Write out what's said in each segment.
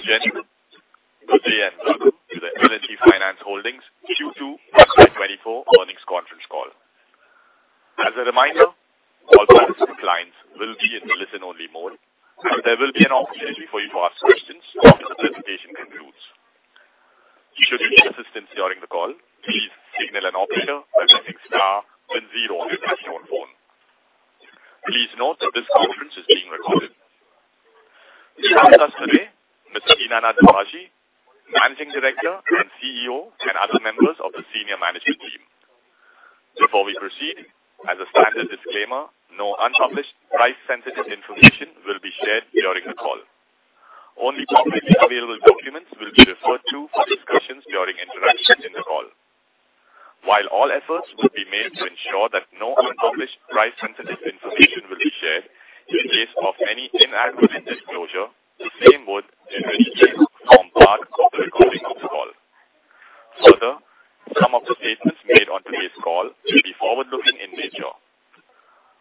Good day, and welcome to the L&T Finance Holdings Q2 FY 2024 earnings conference call. As a reminder, all participants and clients will be in listen-only mode, but there will be an opportunity for you to ask questions after the presentation concludes. If you need assistance during the call, please signal an operator by pressing Star then zero on your telephone. Please note that this conference is being recorded. We have with us today, Mr. Dinanath Dubhashi, Managing Director and CEO, and other members of the senior management team. Before we proceed, as a standard disclaimer, no unpublished price-sensitive information will be shared during the call. Only publicly available documents will be referred to for discussions during interactions in the call. While all efforts will be made to ensure that no unpublished price-sensitive information will be shared, in the case of any inadvertent disclosure, the same would generally form part of the recording of the call. Further, some of the statements made on today's call will be forward-looking in nature.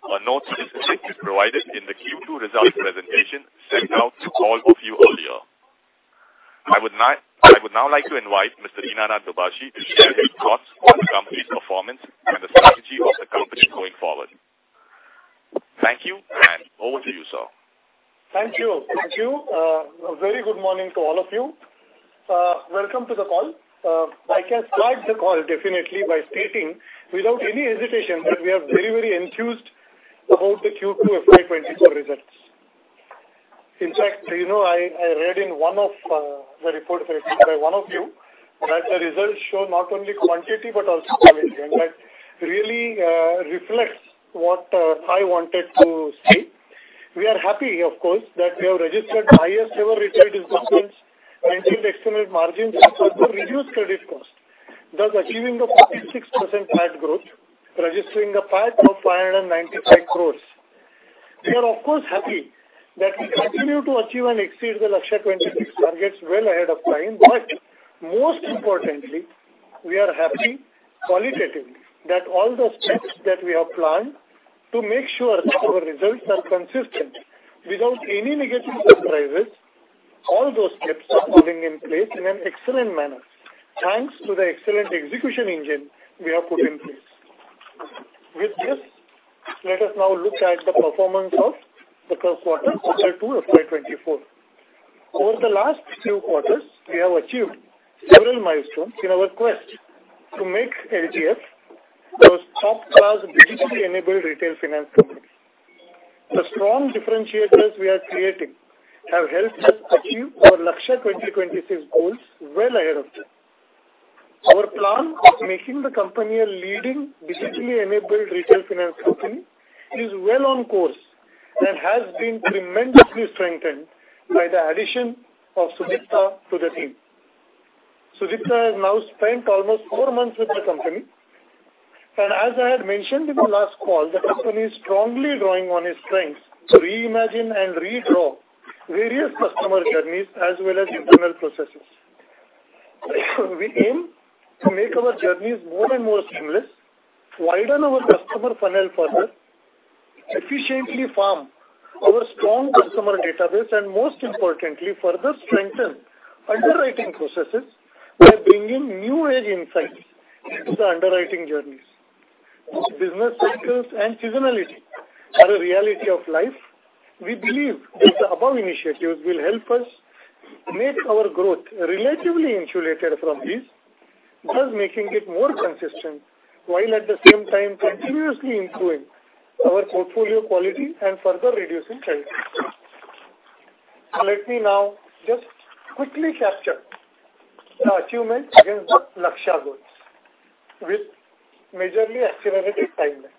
A note is provided in the Q2 results presentation sent out to all of you earlier. I would now like to invite Mr. Dinanath Dubhashi to share his thoughts on the company's performance and the strategy of the company going forward. Thank you, and over to you, sir. Thank you. Thank you. A very good morning to all of you. Welcome to the call. I can start the call definitely by stating, without any hesitation, that we are very, very enthused about the Q2 FY 2024 results. In fact, you know, I, I read in one of, the reports written by one of you, that the results show not only quantity but also quality, and that really, reflects what, I wanted to say. We are happy, of course, that we have registered highest ever retail disbursements and excellent margins as well as reduced credit cost, thus achieving the 46% PAT growth, registering a PAT of 595 crore. We are, of course, happy that we continue to achieve and exceed the Lakshya 2026 targets well ahead of time, but most importantly, we are happy qualitatively that all the steps that we have planned to make sure that our results are consistent without any negative surprises. All those steps are falling in place in an excellent manner, thanks to the excellent execution engine we have put in place. With this, let us now look at the performance of the first quarter, quarter two of FY 2024. Over the last few quarters, we have achieved several milestones in our quest to make LGF the top-class, digitally-enabled retail finance company. The strong differentiators we are creating have helped us achieve our Lakshya 2026 goals well ahead of time. Our plan of making the company a leading, digitally-enabled retail finance company is well on course and has been tremendously strengthened by the addition of Sudipta to the team. Sudipta has now spent almost four months with the company, and as I had mentioned in the last call, the company is strongly drawing on his strengths to reimagine and redraw various customer journeys as well as internal processes. We aim to make our journeys more and more seamless, widen our customer funnel further, efficiently form our strong customer database, and most importantly, further strengthen underwriting processes by bringing new age insights into the underwriting journeys. Business cycles and seasonality are a reality of life. We believe that the above initiatives will help us make our growth relatively insulated from these, thus making it more consistent, while at the same time continuously improving our portfolio quality and further reducing credit risk. Let me now just quickly capture the achievements against the Lakshya goals with majorly accelerated timelines.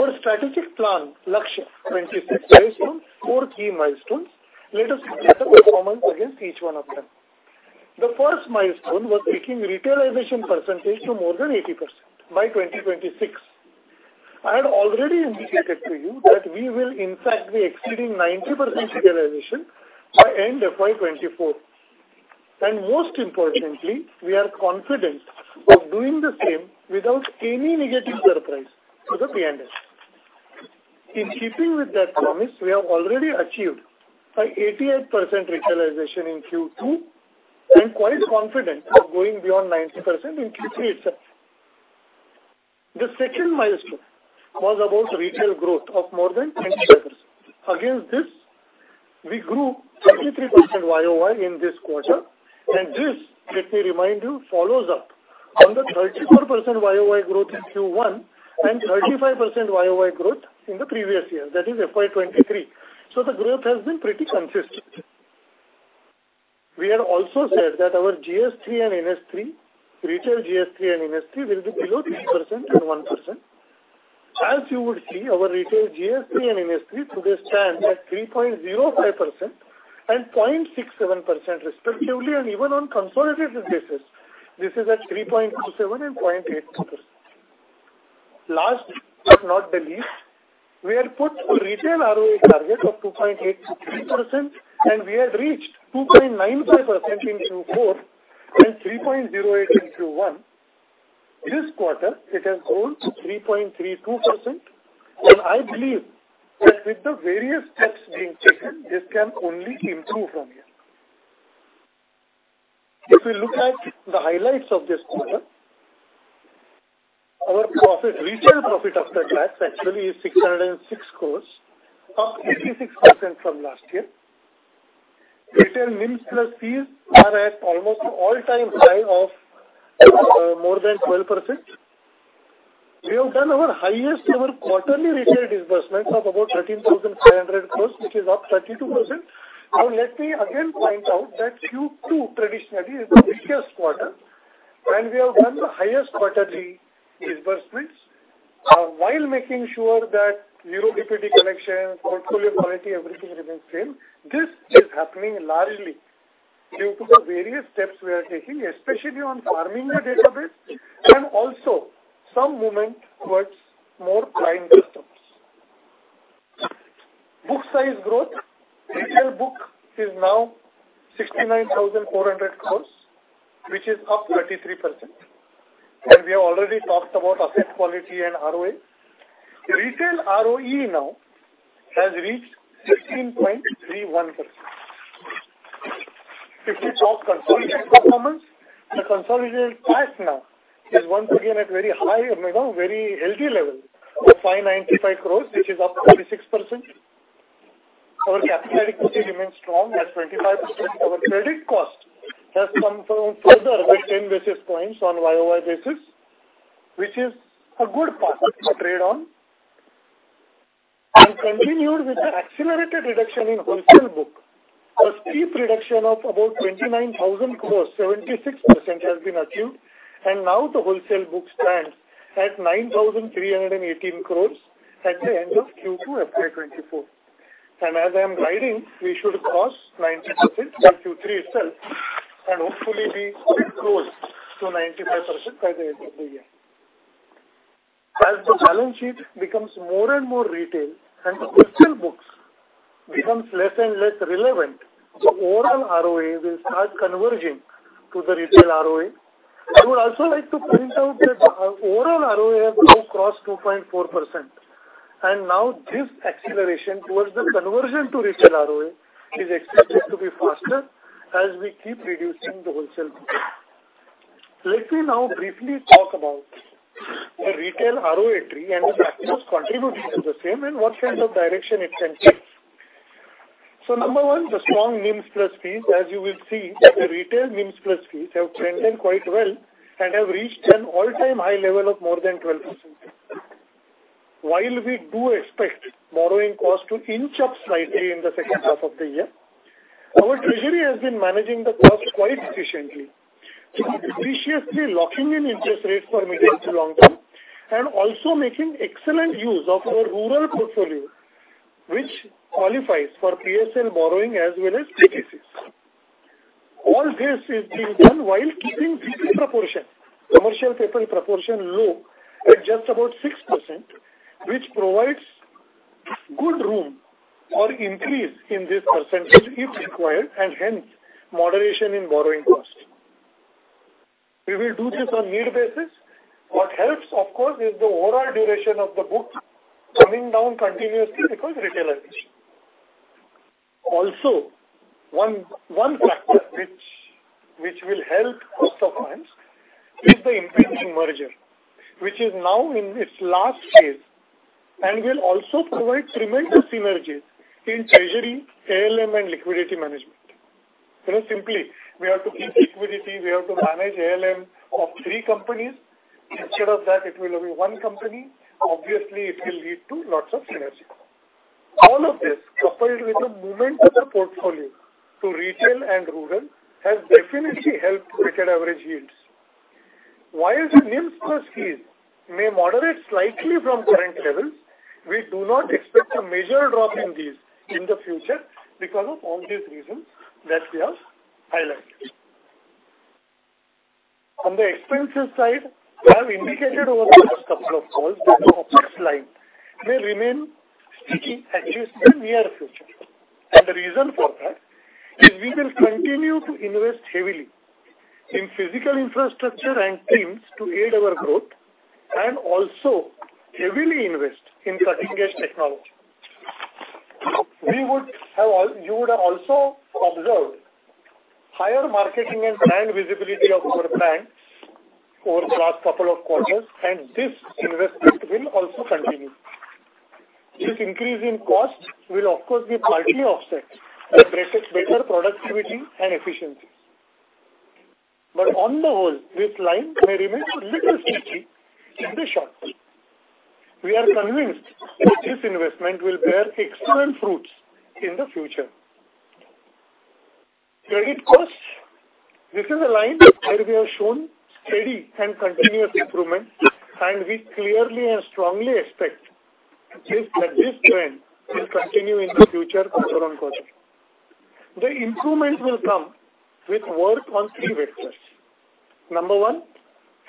Our strategic plan, Lakshya 2026, is on four key milestones. Let us look at the performance against each one of them. The first milestone was taking retailization percentage to more than 80% by 2026. I had already indicated to you that we will in fact be exceeding 90% retailization by end of FY 2024. Most importantly, we are confident of doing the same without any negative surprise to the P&L. In keeping with that promise, we have already achieved an 88% retailization in Q2, and quite confident of going beyond 90% in Q3 itself. The second milestone was about retail growth of more than 20%. Against this, we grew 33% YOY in this quarter, and this, let me remind you, follows up on the 34% YOY growth in Q1 and 35% YOY growth in the previous year, that is FY 2023. So the growth has been pretty consistent. We had also said that our GS3 and NS3, retail GS3 and NS3, will be below 3% and 1%. As you would see, our retail GS3 and NS3 today stand at 3.05% and 0.67%, respectively, and even on consolidated basis, this is at 3.27% and 0.82%. Last, but not the least, we had put a retail ROA target of 2.83%, and we had reached 2.95% in Q4 and 3.08% in Q1. T his quarter, it has grown to 3.32%, and I believe that with the various steps being taken, this can only improve from here. If we look at the highlights of this quarter, our profit, retail profit after tax actually is 606 crore, up 36% from last year. Retail NIMs plus fees are at almost all-time high of more than 12%. We have done our highest ever quarterly retail disbursements of about 13,500 crore, which is up 32%. Now, let me again point out that Q2 traditionally is the weakest quarter, and we have done the highest quarterly disbursements while making sure that zero DPD collection, portfolio quality, everything remains same. This is happening largely due to the various steps we are taking, especially on farming the database and also some movement towards more prime desktops. Book size growth. Retail book is now 69,400 crore, which is up 33%, and we have already talked about asset quality and ROA. Retail ROE now has reached 16.31%. If we talk consolidated performance, the consolidated tax now is once again at very high, you know, very healthy level of 595 crore, which is up 36%. Our capital adequacy remains strong at 25%. Our credit cost has come from further by 10 basis points on YOY basis, which is a good path to trade on. Continued with the accelerated reduction in wholesale book, a steep reduction of about 29,000 crore, 76% has been achieved, and now the wholesale book stands at 9,318 crore at the end of Q2, FY 2024. As I am guiding, we should cross 90% by Q3 itself, and hopefully, be close to 95% by the end of the year. As the balance sheet becomes more and more retail and the wholesale books becomes less and less relevant, the overall ROA will start converging to the retail ROA. I would also like to point out that our overall ROA have now crossed 2.4%, and now this acceleration towards the conversion to retail ROA is expected to be faster as we keep reducing the wholesale book. Let me now briefly talk about the retail ROA tree and the factors contributing to the same and what kind of direction it can take. Number one, the strong NIMs plus fees. As you will see, the retail NIMs plus fees have trended quite well and have reached an all-time high level of more than 12%. While we do expect borrowing costs to inch up slightly in the second half of the year, our treasury has been managing the costs quite efficiently, graciously locking in interest rates for medium to long term, and also making excellent use of our rural portfolio, which qualifies for PSL borrowing as well as PTCs. All this is being done while keeping CP proportion, commercial paper proportion, low at just about 6%, which provides good room or increase in this percentage if required, and hence moderation in borrowing cost. We will do this on need basis. What helps, of course, is the overall duration of the book coming down continuously because retailization. Also, one factor which will help us sometimes is the impending merger, which is now in its last phase and will also provide tremendous synergies in treasury, ALM, and liquidity management. Very simply, we have to keep liquidity, we have to manage ALM of three companies. Instead of that, it will be one company. Obviously, it will lead to lots of synergies. All of this, coupled with the movement of the portfolio to retail and rural, has definitely helped weighted average yields. While the NIMs plus fees may moderate slightly from current levels, we do not expect a major drop in these in the future because of all these reasons that we have highlighted. On the expenses side, we have indicated over the last couple of calls that the OpEx line may remain sticky at least in near future. The reason for that is we will continue to invest heavily in physical infrastructure and teams to aid our growth and also heavily invest in cutting-edge technology. You would have also observed higher marketing and brand visibility of our brand over the last couple of quarters, and this investment will also continue. This increase in cost will, of course, be partly offset by better, better productivity and efficiency. But on the whole, this line may remain a little sticky in the short term. We are convinced that this investment will bear excellent fruits in the future. Credit costs. This is a line where we have shown steady and continuous improvement, and we clearly and strongly expect this, that this trend will continue in the future quarter on quarter. The improvement will come with work on three vectors. Number one,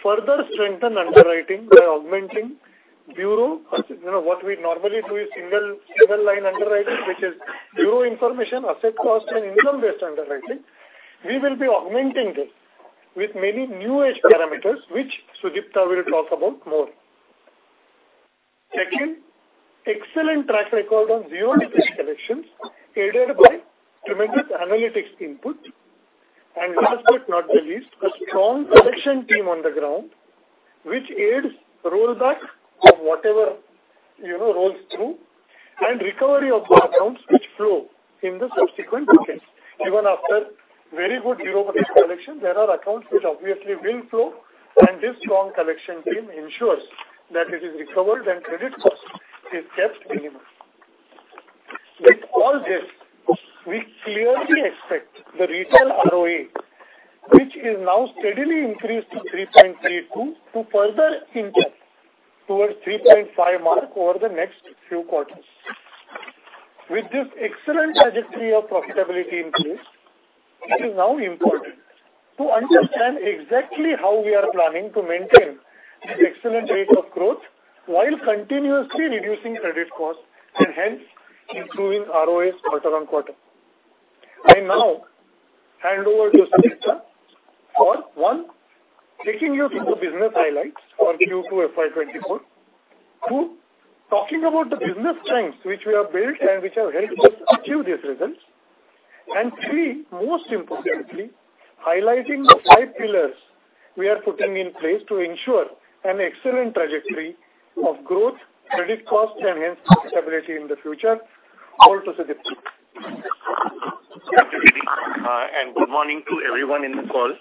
further strengthen underwriting byc. You know, what we normally do is single, single line underwriting, which is bureau information, asset cost, and income-based underwriting. We will be augmenting this with many new age parameters, which Sudipta will talk about more. Second, excellent track record on zero DPD collections, aided by tremendous analytics input. And last but not the least, a strong collection team on the ground, which aids rollback of whatever, you know, rolls through, and recovery of bad accounts which flow in the subsequent decades. Even after very good zero DPD collection, there are accounts which obviously will flow, and this strong collection team ensures that it is recovered and credit cost is kept minimum. With all this, we clearly expect the retail ROA, which is now steadily increased to 3.32 to further inch up towards 3.5 mark over the next few quarters. With this excellent trajectory of profitability in place, it is now important to understand exactly how we are planning to maintain this excellent rate of growth while continuously reducing credit costs and hence improving ROAs quarter on quarter. I now hand over to Sudipta for, one, taking you through the business highlights for Q2 FY 2024. two, talking about the business strengths which we have built and which have helped us achieve these results. And three, most importantly, highlighting the five pillars we are putting in place to ensure an excellent trajectory of growth, credit cost, and hence profitability in the future. Over to Sudipta. Good afternoon and good morning to everyone in the call.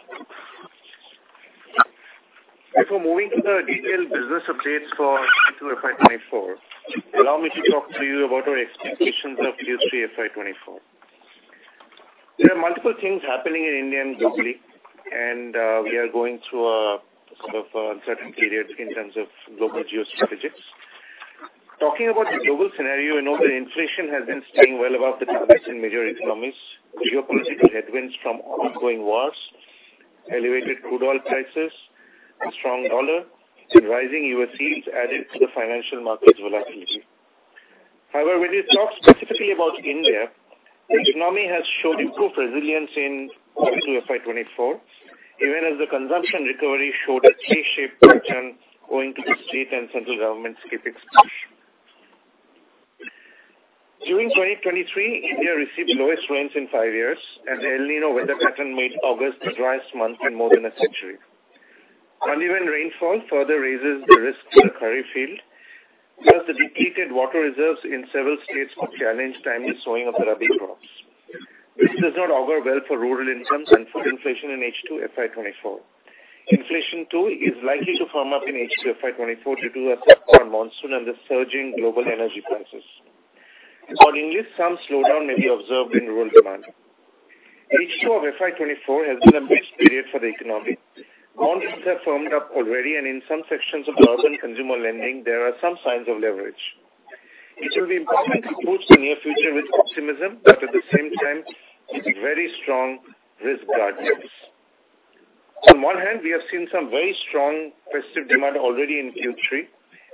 Before moving to the detailed business updates for FY 2024, allow me to talk to you about our expectations of Q3 FY 2024. There are multiple things happening in India and globally, and we are going through a sort of uncertain period in terms of global geostrategics. Talking about the global scenario, you know that inflation has been staying well above the targets in major economies, geopolitical headwinds from ongoing wars, elevated crude oil prices, a strong dollar, and rising U.S. yields added to the financial market volatility. However, when you talk specifically about India, the economy has showed improved resilience in FY 2024, even as the consumption recovery showed a C-shaped pattern, owing to the state and central government's CapEx push. During 2023, India received the lowest rains in five years, and the El Niño weather pattern made August the driest month in more than a century. Uneven rainfall further raises the risk to the kharif field, plus the depleted water reserves in several states will challenge timely sowing of the rabi crops. This does not augur well for rural incomes and food inflation in H2 FY 2024. Inflation, too, is likely to firm up in H2 FY 2024 due to a weaker monsoon and the surging global energy prices. Accordingly, some slowdown may be observed in rural demand. H2 of FY 2024 has been a mixed period for the economy. Monsoons have firmed up already, and in some sections of the urban consumer lending, there are some signs of leverage. It will be important to approach the near future with optimism, but at the same time, with very strong risk guardians. On one hand, we have seen some very strong festive demand already in Q3,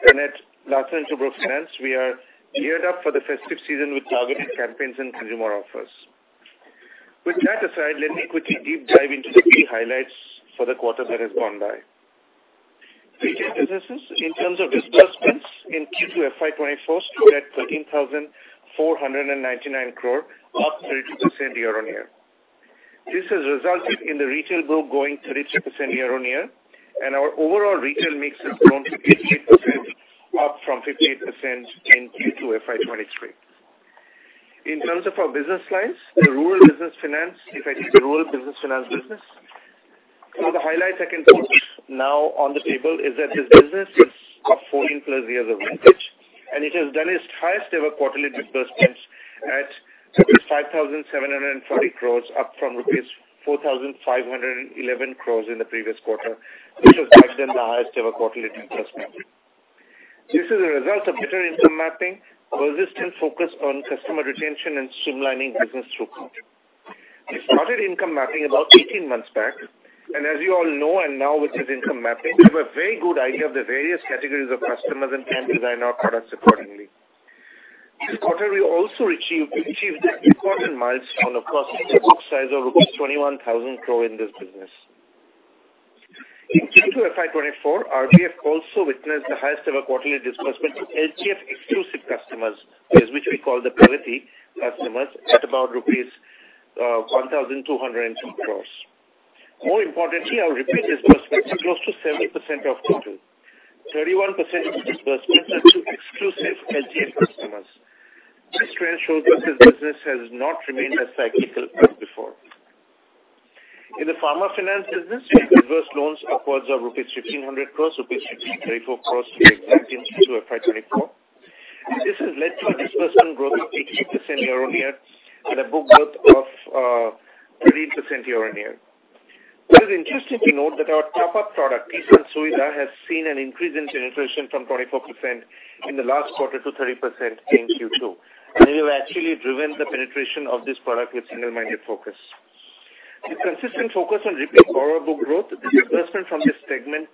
and at Larsen & Toubro Finance, we are geared up for the festive season with targeted campaigns and consumer offers. With that aside, let me quickly deep dive into the key highlights for the quarter that has gone by. Retail businesses, in terms of disbursements in Q2 FY 2024, stood at INR 13,499 crore, up 32% year-over-year. This has resulted in the retail book going 32% year-over-year, and our overall retail mix has grown to 88%, up from 58% in Q2 FY 2023. In terms of our business lines, the Rural Business Finance, if I take the Rural Business Finance business, one of the highlights I can put now on the table is that this business is up 14+ years of vintage, and it has done its highest ever quarterly disbursements at INR 5,740 crore, up from INR 4,511 crore in the previous quarter, which was back then the highest ever quarterly disbursement. This is a result of better income mapping, persistent focus on customer retention, and streamlining business throughput. We started income mapping about 18 months back, and as you all know, and now with this income mapping, we have a very good idea of the various categories of customers and can design our products accordingly. This quarter, we also achieved an important milestone of crossing a book size of rupees 21,000 crore in this business. In Q2 FY 2024, RBF also witnessed the highest ever quarterly disbursement to HDF exclusive customers, which we call the priority customers, at about rupees 1,202 crore. More importantly, I'll repeat, disbursements are close to 70% of total. 31% of disbursements are to exclusive HDF customers. This trend shows us this business has not remained as cyclical as before. In the pharma finance business, we dispersed loans upwards of rupees 1,500 crore, rupees 1,634 crore in FY 2024. This has led to a disbursement growth of 88% year-on-year, and a book growth of 13% year-on-year. It is interesting to note that our top-up product, Kisan Suvidha, has seen an increase in penetration from 24% in the last quarter to 30% in Q2. And we have actually driven the penetration of this product with single-minded focus. The consistent focus on repeat borrower book growth, the disbursement from this segment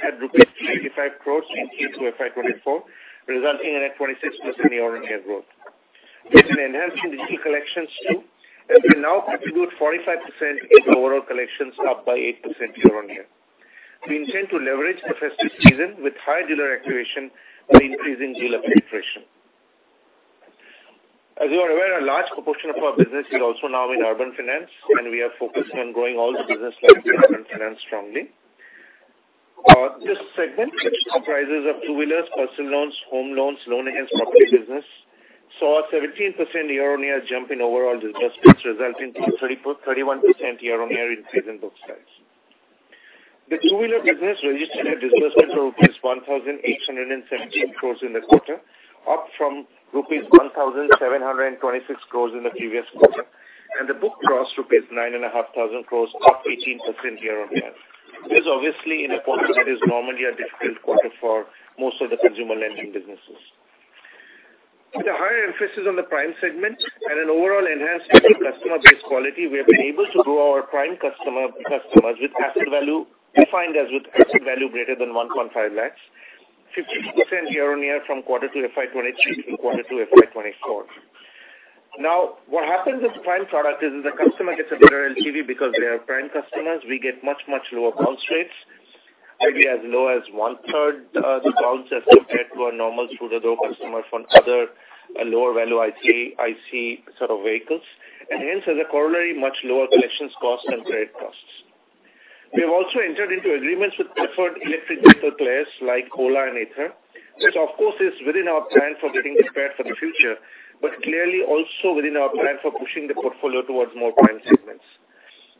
had rupees 95 crore in Q2 FY 2024, resulting in a 26% year-on-year growth. There's an enhanced digital collections too, as we now contribute 45% in overall collections, up by 8% year-on-year. We intend to leverage the festive season with high dealer activation by increasing dealer penetration. As you are aware, a large proportion of our business is also now in urban finance, and we are focusing on growing all the business lines in urban finance strongly. This segment, which comprises of two-wheelers, Personal Loans, Home Loans, Loan Against Property business, saw a 17% year-on-year jump in overall disbursements, resulting in 31% year-on-year increase in book size. The two-wheeler business registered a disbursement of INR 1,817 crore in the quarter, up from INR 1,726 crore in the previous quarter, and the book crossed INR 9,500 crore, up 18% year-on-year. This is obviously in a quarter that is normally a difficult quarter for most of the consumer lending businesses. With a higher emphasis on the prime segment and an overall enhancement in customer base quality, we have been able to grow our prime customer, customers with asset value, defined as with asset value greater than 1.5 lakh, 15% year-on-year from Q2 FY 2023 to Q2 FY 2024. Now, what happens with prime product is the customer gets a better LTV because they are prime customers. We get much, much lower bounce rates, maybe as low as one-third the bounce as compared to a normal two-wheeler customer from other lower-value ICE set of vehicles, and hence, as a corollary, much lower collections costs and credit costs. We have also entered into agreements with preferred electric vehicle players like Ola and Ather, which of course, is within our plan for getting prepared for the future, but clearly also within our plan for pushing the portfolio towards more prime segments.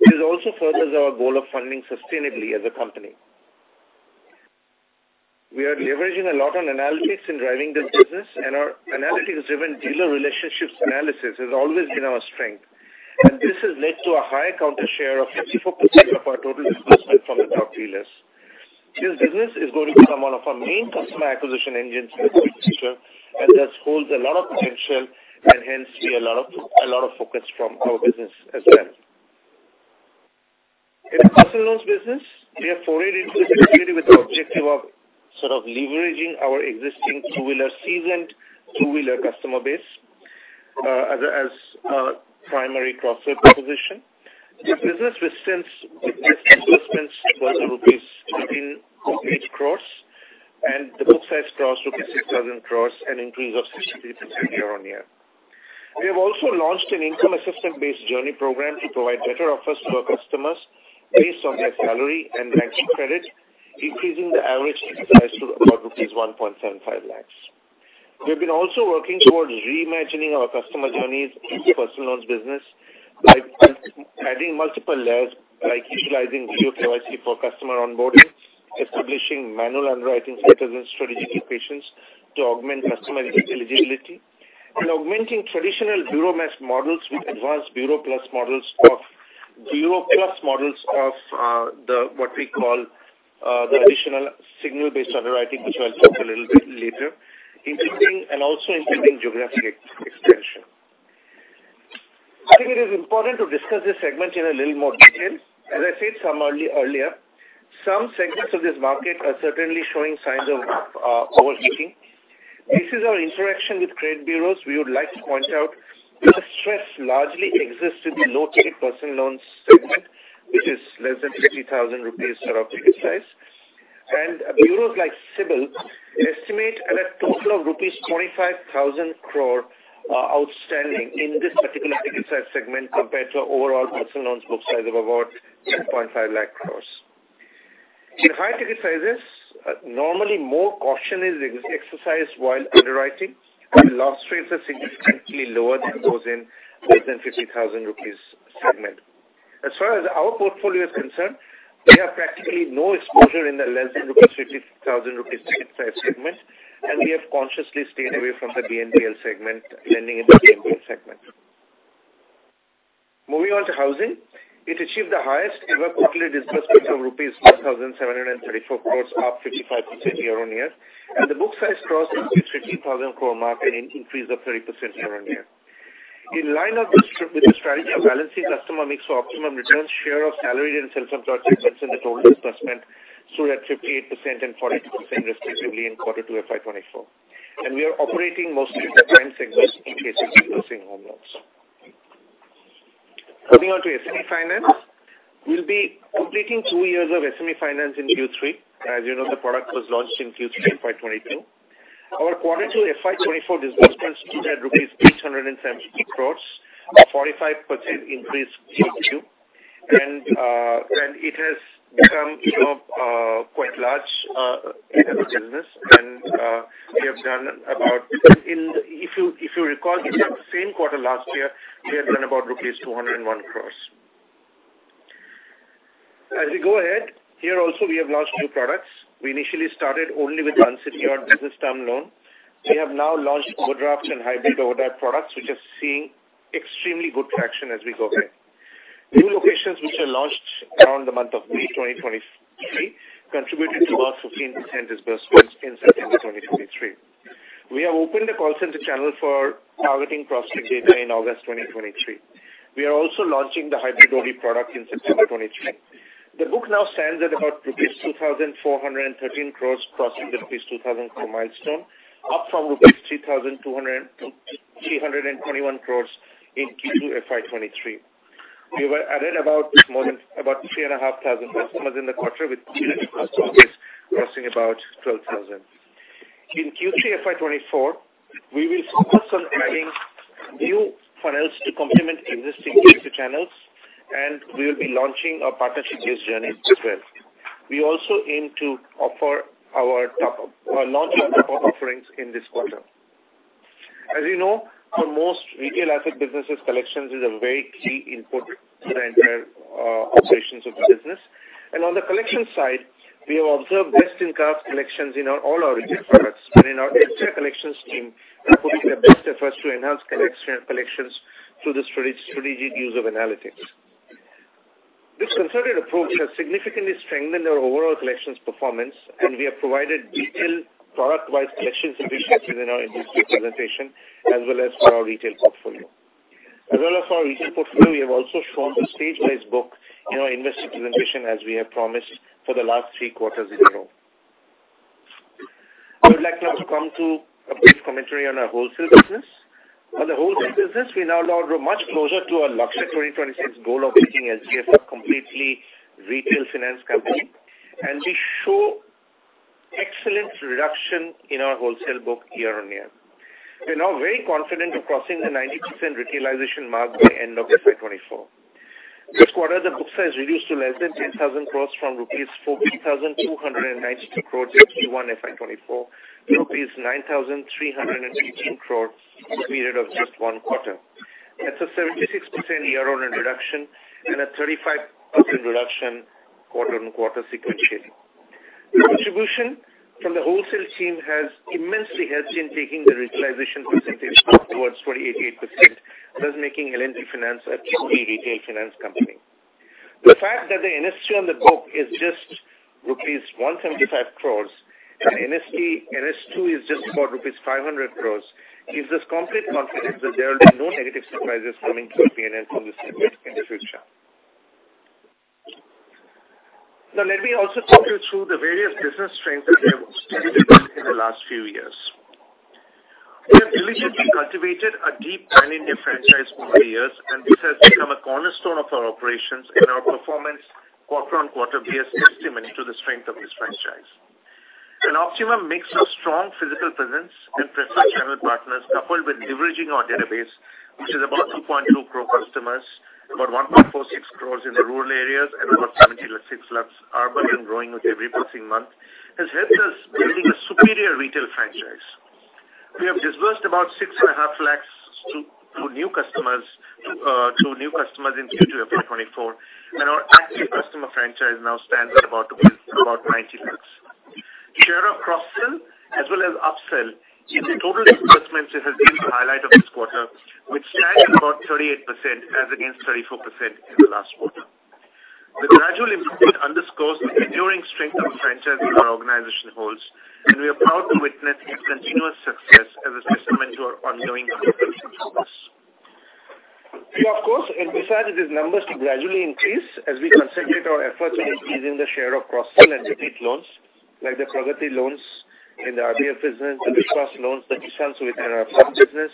This also furthers our goal of funding sustainably as a company. We are leveraging a lot on analytics in driving this business, and our analytics-driven dealer relationships analysis has always been our strength. And this has led to a high account share of 54% of our total disbursement from the top dealers. This business is going to become one of our main customer acquisition engines in the future, and thus holds a lot of potential and hence, see a lot of, a lot of focus from our business as well. In the personal loans business, we have forayed into this with the objective of sort of leveraging our existing two-wheeler seasoned, two-wheeler customer base, as a, as, primary cross-sell proposition. The business with since disbursements was rupees 138 crore, and the book size crossed rupees 6,000 crore, an increase of 68% year-on-year. We have also launched an income assistant-based journey program to provide better offers to our customers based on their salary and max credit, increasing the average size to about rupees 1.75 lakh. We've been also working towards reimagining our customer journeys in the personal loans business by adding multiple layers, like utilizing Video KYC for customer onboarding, establishing manual underwriting centers and strategic locations to augment customer eligibility, and augmenting traditional bureau mass models with advanced bureau plus models of bureau plus models of the what we call the additional signal-based underwriting, which I'll talk a little bit later, including and also including geographic expansion. I think it is important to discuss this segment in a little more detail. As I said some earlier, some segments of this market are certainly showing signs of overheating. This is our interaction with credit bureaus. We would like to point out that the stress largely exists in the low-ticket personal loan segment, which is less than 50,000 rupees or of ticket size. and bureaus like TransUnion CIBIL estimate at a total of rupees 25,000 crore outstanding in this particular ticket size segment, compared to overall Personal Loans book size of about 1,050,000 crore. In high ticket sizes, normally more caution is exercised while underwriting, and loss rates are significantly lower than those in less than 50,000 rupees segment. As far as our portfolio is concerned, we have practically no exposure in the less than 50,000 rupees ticket size segment, and we have consciously stayed away from the BNPL segment, lending in the BNPL segment. Moving on to housing, it achieved the highest ever quarterly disbursement of rupees 4,734 crore, up 55% year-on-year, and the book size crossed into 50,000 crore mark, an increase of 30% year-on-year. In line with the strategy of balancing customer mix for optimum returns, share of salaried and self-employed segments in the total disbursement stood at 58% and 42% respectively in quarter two FY 2024. We are operating mostly in the prime segments in case of disbursing Home Loans. Moving on to SME Business Finance, we'll be completing two years of SME Business Finance in Q3. As you know, the product was launched in Q3 FY 2022. Our quarter two FY 2024 disbursements stood at INR 870 crore, a 45% increase quarter two, and it has become, you know, quite large in our business. We have done about, If you recall, in the same quarter last year, we had done about rupees 201 crore. As we go ahead, here also, we have launched new products. We initially started only with unsecured business term loan. We have now launched overdraft and hybrid overdraft products, which are seeing extremely good traction as we go ahead. New locations, which are launched around the month of May 2023, contributed to about 15% disbursements in September 2023. We have opened a call center channel for targeting prospect data in August 2023. We are also launching the hybrid product in September 2023. The book now stands at about rupees 2,413 crore, crossing the rupees 2,000 crore milestone, up from rupees 3,321 crore in Q2 FY 2023. We were added about more than about 3,500 customers in the quarter, with crossing about 12,000. In Q3 FY 2024, we will focus on adding new funnels to complement existing channels, and we will be launching our partnership journey as well. We also aim to offer our top, launch our top offerings in this quarter. As you know, for most retail asset businesses, collections is a very key input to the entire, you know, operations of the business. On the collection side, we have observed best-in-class collections in all our regional products, and our extra collections team are putting their best efforts to enhance collections through the strategic use of analytics. This concerted approach has significantly strengthened our overall collections performance, and we have provided detailed product-wise collection solutions in our industry presentation, as well as for our retail portfolio. As well as our retail portfolio, we have also shown the stage-based book in our investor presentation, as we have promised for the last three quarters in a row. I would like to now come to a brief commentary on our wholesale business. On the wholesale business, we now are much closer to our Lakshya 2026 goal of reaching LGS, a completely retail finance company, and we show excellent reduction in our wholesale book year-on-year. We're now very confident of crossing the 90% retailization mark by end of FY 2024. This quarter, the book size reduced to less than 10,000 crore rupees from rupees 40,292 crore in Q1 FY 2024, to rupees 9,318 crore in a period of just one quarter. That's a 76% year-on-year reduction and a 35% reduction quarter-over-quarter sequentially. The contribution from the wholesale team has immensely helped in taking the retailization percentage towards 88%, thus making L&T Finance a key retail finance company. The fact that the NS3 on the book is just rupees 175 crore, and NS3, NS2 is just for rupees 500 crore, gives us complete confidence that there will be no negative surprises coming from PNL from this segment in the future. Now, let me also talk you through the various business strengths that we have studied in the last few years. We have diligently cultivated a deep pan-India franchise over the years, and this has become a cornerstone of our operations, and our performance quarter on quarter year is testament to the strength of this franchise. An optimum mix of strong physical presence and precise channel partners, coupled with leveraging our database, which is about 2.2 crore customers, about 1.46 crores in the rural areas and about 76 lakhs are growing with every passing month, has helped us building a superior retail franchise. We have disbursed about 6.5 lakhs to new customers in Q2 of FY 2024, and our active customer franchise now stands at about 90 lakhs. Share of cross-sell as well as upsell in total disbursements has been the highlight of this quarter, which stands at about 38% as against 34% in the last quarter. The gradual improvement underscores the enduring strength of the franchise our organization holds, and we are proud to witness its continuous success as a testament to our ongoing commitment to this. We, of course, envisage these numbers to gradually increase as we concentrate our efforts on increasing the share of cross-sell and repeat loans, like the Pragati loans in the RBF business, the trust loans, the sanctions within our farm business,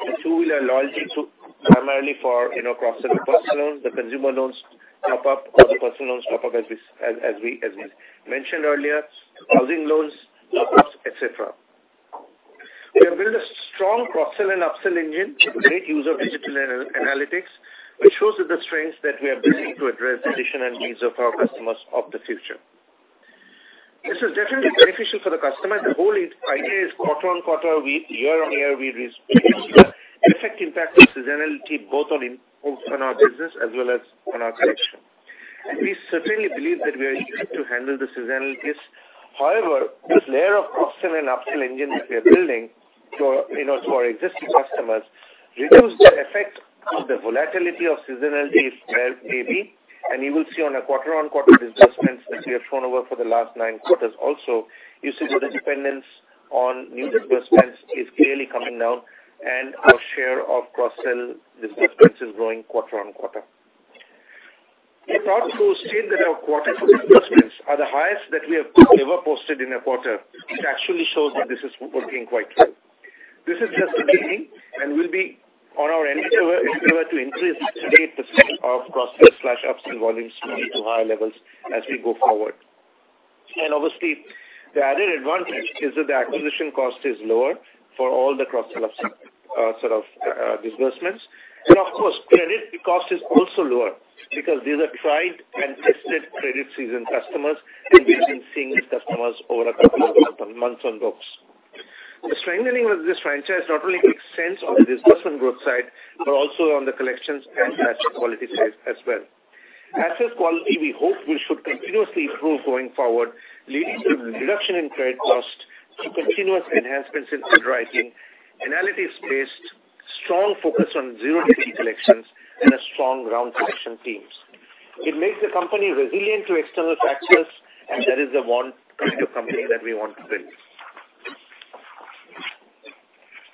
the two-wheeler loyalty to primarily for, you know, cross-sell personal loans, the consumer loans, top-up, or the personal loans top-up, as we mentioned earlier, housing loans, etc. We have built a strong cross-sell and upsell engine, great use of digital analytics, which shows the strengths that we are building to address the needs and needs of our customers of the future. This is definitely beneficial for the customer. The whole idea is quarter on quarter, we, year-on-year, we reduce the effect impact of seasonality both on, both on our business as well as on our collection. We certainly believe that we are equipped to handle the seasonalities. However, this layer of upsell and upsell engine that we are building for, you know, for our existing customers, reduce the effect of the volatility of seasonality where maybe, and you will see on a quarter-on-quarter disbursements, which we have shown over for the last nine quarters also, you see the dependence on new disbursements is clearly coming down, and our share of cross-sell disbursements is growing quarter-on-quarter. The fact those state that our quarter disbursements are the highest that we have ever posted in a quarter, it actually shows that this is working quite well. This is just the beginning, and we'll be on our endeavor, endeavor to increase 68% of cross-sell/upsell volumes to, to higher levels as we go forward. Obviously, the added advantage is that the acquisition cost is lower for all the cross-sell, sort of, disbursements. Of course, credit cost is also lower because these are tried and tested credit seasoned customers, and we have been seeing these customers over a couple of months on books. The strengthening of this franchise not only makes sense on the disbursement growth side, but also on the collections and asset quality side as well. Asset quality, we hope will should continuously improve going forward, leading to reduction in credit cost through continuous enhancements in underwriting, analytics-based, strong focus on zero DPD collections, and a strong ground collection teams. It makes the company resilient to external factors, and that is the one kind of company that we want to build.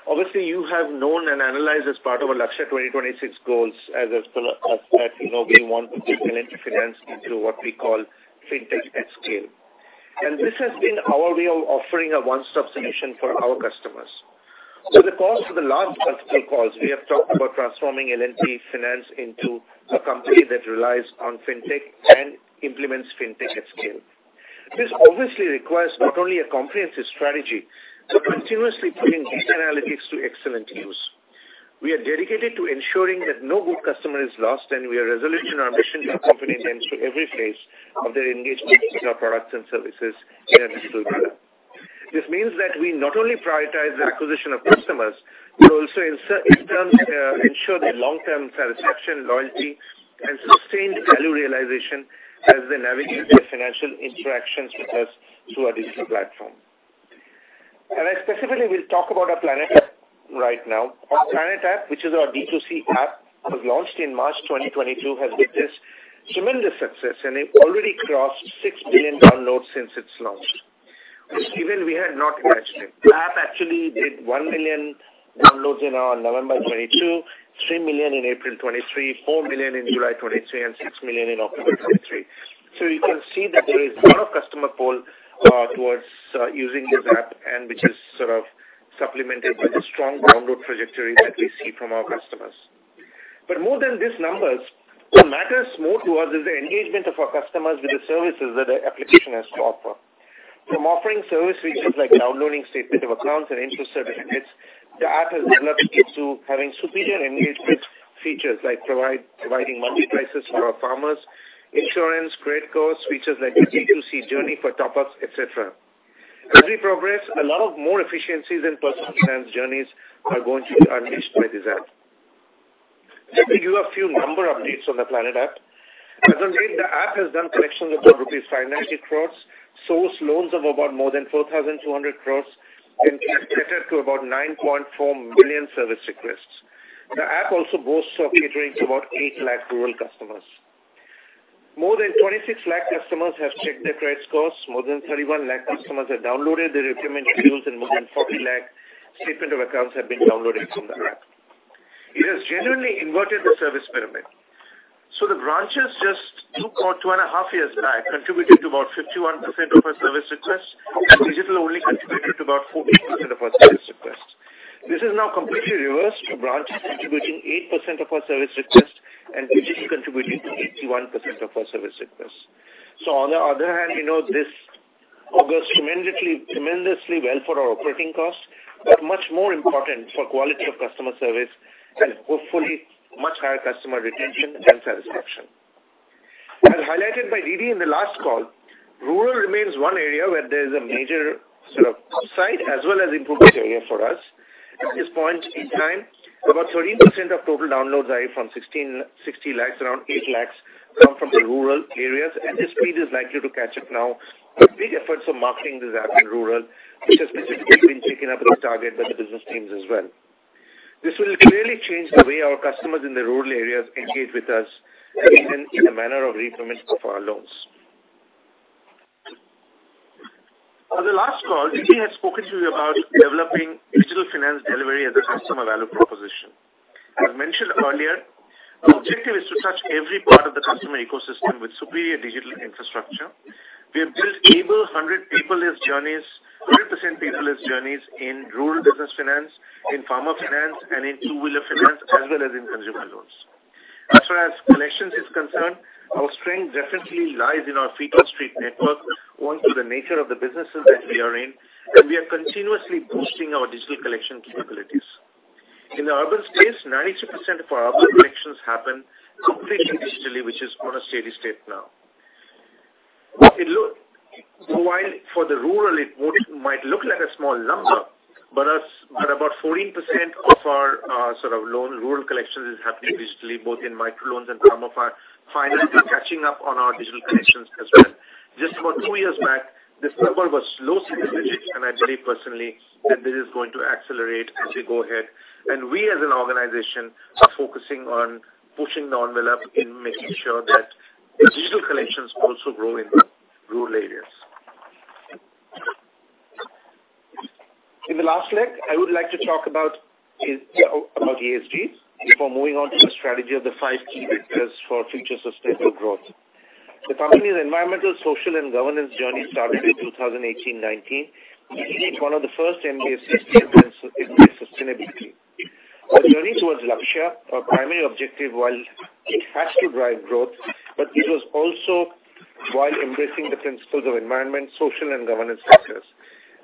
Obviously, you have known and analyzed as part of our Lakshya 2026 goals, as that, you know, we want to take L&T Finance into what we call Fintech at scale. This has been our way of offering a one-stop solution for our customers. The calls, for the last couple of calls, we have talked about transforming L&T Finance into a company that relies on Fintech and implements Fintech at scale. This obviously requires not only a comprehensive strategy, but continuously putting data analytics to excellent use. We are dedicated to ensuring that no good customer is lost, and we are resolution our mission in our company tends to every phase of their engagement with our products and services in a digital manner. This means that we not only prioritize the acquisition of customers, but also in terms, ensure their long-term satisfaction, loyalty, and sustained value realization as they navigate their financial interactions with us through our digital platform. I specifically will talk about our PLANET app right now. Our PLANET app, which is our D2C app, was launched in March 2022, has witnessed tremendous success, and it already crossed 6 million downloads since its launch, which even we had not imagined. The app actually did one million downloads in our November 2022, thre million in April 2023, four million in July 2023, and six million in October 2023. You can see that there is a lot of customer pull towards using this app, and which is sort of supplemented by the strong download trajectory that we see from our customers. More than these numbers, what matters more to us is the engagement of our customers with the services that the application has to offer. From offering service features like downloading statement of accounts and interest certificates, the app has developed into having superior engagement features, like providing monthly prices for our farmers, insurance, credit course, features like D2C journey for top- ups, PLANET app As we progress, a lot more efficiencies in personal finance journeys are going to be unleashed by this app. Let me give you a few number updates on the PLANET App. As of date, the app has done collections of about rupees 500 crore, sourced loans of about more than 4,200 crore, and catered to about 9.4 million service requests. The app also boasts of catering to about 800,000 rural customers. More than 26 lakh customers have checked their credit scores, more than 31 lakh customers have downloaded the repayment schedules, and more than 40 lakh statement of accounts have been downloaded from the app. It has genuinely inverted the service pyramid. So the branches just 2 or 2.5 years back, contributed to about 51% of our service requests, and digital only contributed to about 14% of our service requests. This is now completely reversed, with branches contributing 8% of our service requests and digital contributing to 81% of our service requests. So on the other hand, you know, this goes tremendously, tremendously well for our operating costs, but much more important for quality of customer service and hopefully much higher customer retention and satisfaction. As highlighted by Didi in the last call, rural remains one area where there is a major sort of upside as well as improvement area for us. At this point in time, about 13% of total downloads are from 16,60,000, around 800,000 come from the rural areas, and this speed is likely to catch up now. With big efforts of marketing this app in rural, which has specifically been taken up as a target by the business teams as well. This will clearly change the way our customers in the rural areas engage with us and even in the manner of repayment of our loans. On the last call, Didi had spoken to you about developing digital finance delivery as a customer value proposition. As mentioned earlier, our objective is to touch every part of the customer ecosystem with superior digital infrastructure. We have built a full 100% paperless journeys, 100% paperless journeys in Rural Business Finance, in farmer finance, and in Two-Wheeler Finance, as well as in consumer loans. As far as collections is concerned, our strength definitely lies in our feet on street network, one, through the nature of the businesses that we are in, and we are continuously boosting our digital collection capabilities. In the urban space, 92% of our urban collections happen completely digitally, which is on a steady state now. While for the rural, it would, might look like a small number, but but about 14% of our, sort of loan, rural collections is happening digitally, both in microloans and farmer finance, catching up on our digital collections as well. Just about two years back, this number was low single digits, and I believe personally, that this is going to accelerate as we go ahead. We, as an organization, are focusing on pushing the envelope and making sure that the digital collections also grow in rural areas. In the last leg, I would like to talk about, is, about ESGs before moving on to the strategy of the five key vectors for future sustainable growth. The company's environmental, social, and governance journey started in 2018-2019. It's one of the first MBA system in sustainability. Our journey towards Lakshya, our primary objective, while it has to drive growth, but it was also while embracing the principles of environment, social, and governance success.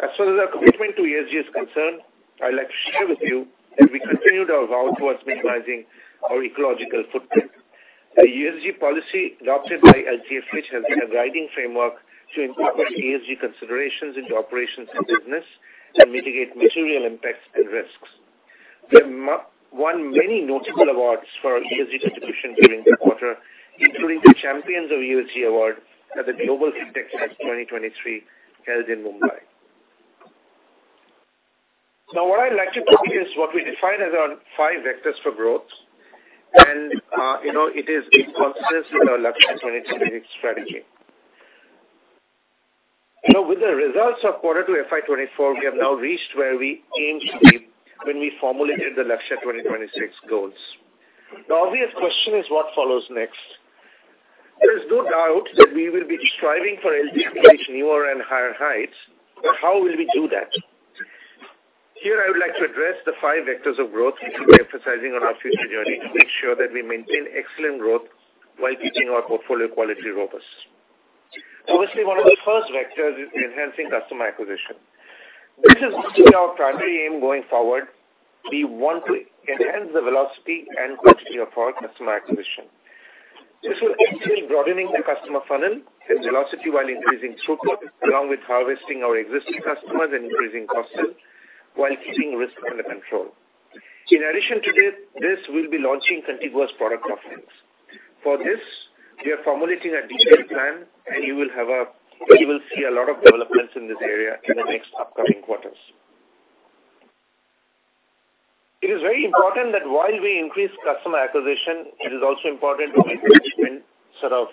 As far as our commitment to ESG is concerned, I'd like to share with you that we continued our vow towards minimizing our ecological footprint. An ESG policy adopted by LGFH has been a guiding framework to incorporate ESG considerations into operations and business and mitigate material impacts and risks. We won many notable awards for our ESG contribution during the quarter, including the Champions of ESG award at the Global Fintech Fest 2023, held in Mumbai. Now, what I'd like you to see is what we define as our five vectors for growth. And, you know, it is consistent in our Lakshya 2026 strategy. Now, with the results of quarter 2 FY 2024, we have now reached where we aimed to be when we formulated the Lakshya 2026 goals. The obvious question is what follows next? There is no doubt that we will be striving for LDF to reach newer and higher heights, but how will we do that? Here I would like to address the five vectors of growth, which we'll be emphasizing on our future journey to make sure that we maintain excellent growth while keeping our portfolio quality robust. Obviously, one of the first vectors is enhancing customer acquisition. This is our primary aim going forward. We want to enhance the velocity and quality of our customer acquisition. This will include broadening the customer funnel and velocity while increasing throughput, along with harvesting our existing customers and increasing costs, while keeping risk under control. In addition to this, we'll be launching contiguous product offerings. For this, we are formulating a detailed plan, and you will see a lot of developments in this area in the next upcoming quarters. It is very important that while we increase customer acquisition, it is also important to make management sort of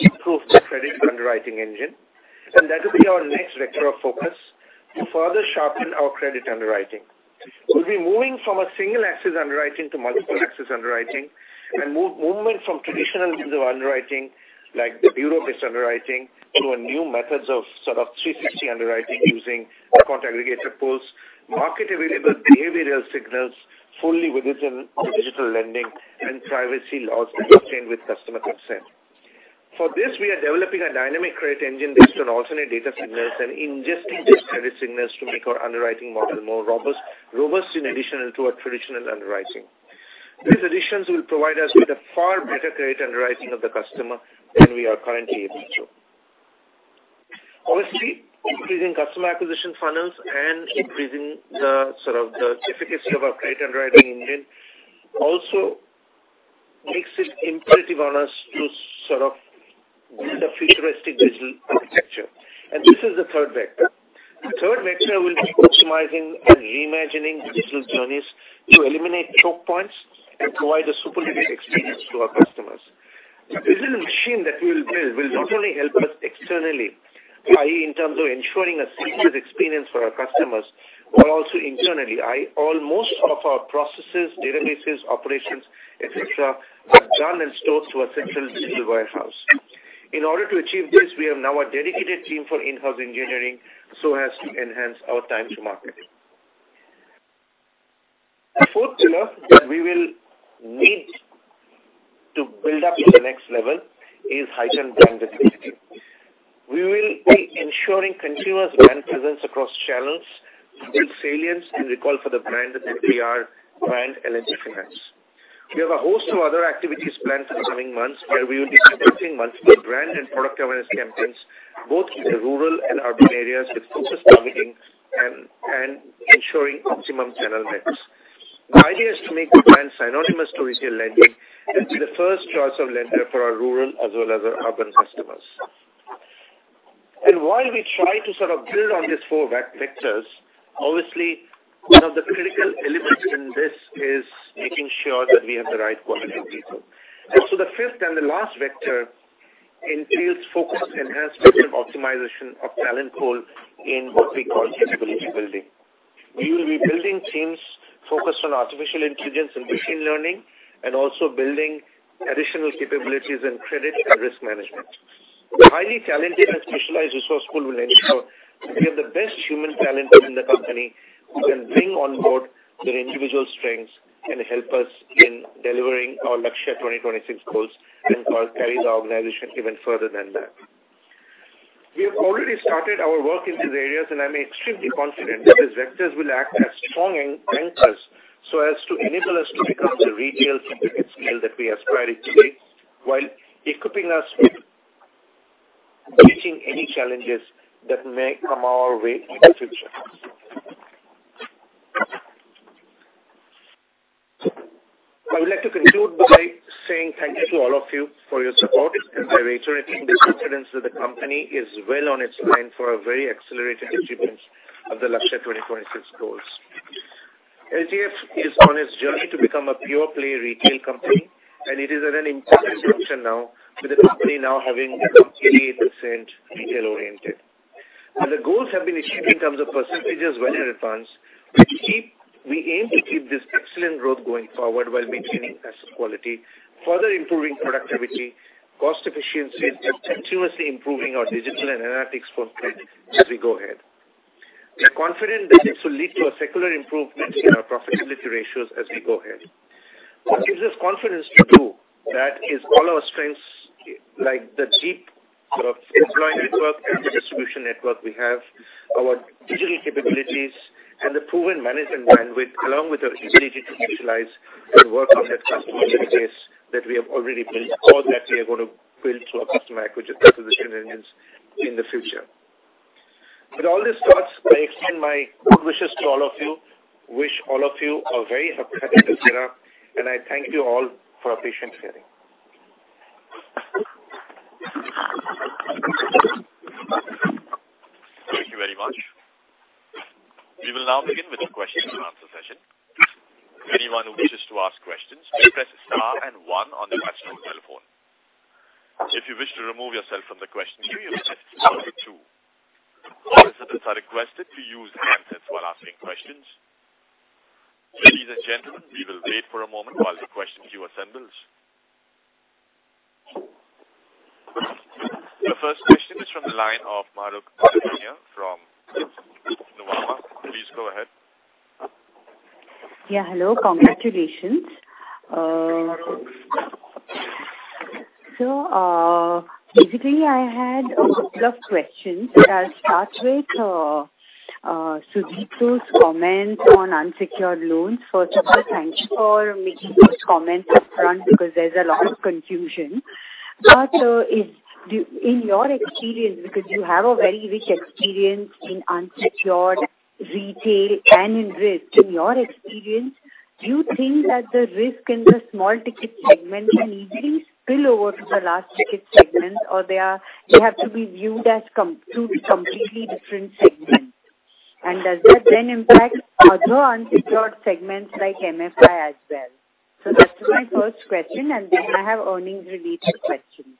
improve the credit underwriting engine, and that will be our next vector of focus to further sharpen our credit underwriting. We'll be moving from a single axis underwriting to multiple axis underwriting, and movement from traditional underwriting, like the bureau-based underwriting, to a new methods of sort of 360 underwriting using Account Aggregator pools, market available behavioral signals fully within the digital lending and privacy laws that are obtained with customer consent. For this, we are developing a dynamic credit engine based on alternate data signals and ingesting this credit signals to make our underwriting model more robust in addition to our traditional underwriting. These additions will provide us with a far better credit underwriting of the customer than we are currently able to. Obviously, increasing customer acquisition funnels and increasing the sort of the efficacy of our credit underwriting engine also makes it imperative on us to sort of build a futuristic digital architecture. And this is the third vector. The third vector will be optimizing and reimagining digital journeys to eliminate choke points and provide a superlative experience to our customers. The digital machine that we will build will not only help us externally, i.e., in terms of ensuring a seamless experience for our customers, but also internally, i.e., almost of our processes, databases, operations, et cetera, are done and stored to a central digital warehouse. In order to achieve this, we have now a dedicated team for in-house engineering, so as to enhance our time to market. The fourth pillar that we will need to build up to the next level is heightened brand activity. We will be ensuring continuous brand presence across channels, build salience and recall for the brand that we are brand L&T Finance. We have a host of other activities planned for the coming months, where we will be conducting multiple brand and product awareness campaigns, both in the rural and urban areas, with focused targeting and ensuring optimum channel mix. The idea is to make the brand synonymous to easier lending and be the first choice of lender for our rural as well as our urban customers. And while we try to sort of build on these four vectors, obviously, one of the critical elements in this is making sure that we have the right quality people. And so the fifth and the last vector entails focus, enhanced optimization of talent pool in what we call capability building. We will be building teams focused on artificial intelligence and machine learning, and also building additional capabilities in credit and risk management. The highly talented and specialized resource pool will ensure we have the best human talent in the company who can bring on board their individual strengths and help us in delivering our Lakshya 2026 goals and carry our organization even further than that. We have already started our work in these areas, and I'm extremely confident that these vectors will act as strong anchors, so as to enable us to become the retail competitive scale that we aspire it to be, while equipping us with reaching any challenges that may come our way in the future. I would like to conclude by saying thank you to all of you for your support, and by reiterating the confidence that the company is well on its line for a very accelerated achievement of the Lakshya 2026 goals. LGF is on its journey to become a pure play retail company, and it is at an important junction now, with the company now having become 88% retail oriented. Now, the goals have been achieved in terms of percentages well in advance, but we aim to keep this excellent growth going forward while maintaining asset quality, further improving productivity, cost efficiency, and continuously improving our digital and analytics footprint as we go ahead. We are confident that this will lead to a secular improvement in our profitability ratios as we go ahead. What gives us confidence to do that is all our strengths, like the deep sort of employee network and the distribution network we have, our digital capabilities and the proven management bandwidth, along with our ability to utilize and work on that customer base that we have already built, or that we are going to build through our customer acquisition engines in the future. With all these thoughts, I extend my good wishes to all of you. Wish all of you a very happy New Year, and I thank you all for your patient hearing. Thank you very much. We will now begin with the question and answer session. Anyone who wishes to ask questions, press Star and one on your telephone. If you wish to remove yourself from the question queue, you press Star two. All participants are requested to use handsets while asking questions. Ladies and gentlemen, we will wait for a moment while the question queue assembles. The first question is from the line of Mahrukh Adajania from Nomura. Please go ahead. Yeah, hello. Congratulations. So, basically, I had a couple of questions. I'll start with Sudipta's comments on unsecured loans. First of all, thanks for making those comments up front, because there's a lot of confusion. But, in your experience, because you have a very rich experience in unsecured retail and in risk. In your experience, do you think that the risk in the small ticket segment can easily spill over to the large ticket segment, or they are, they have to be viewed as two completely different segments? And does that then impact other unsecured segments like MFI as well? So that's my first question, and then I have earnings related questions.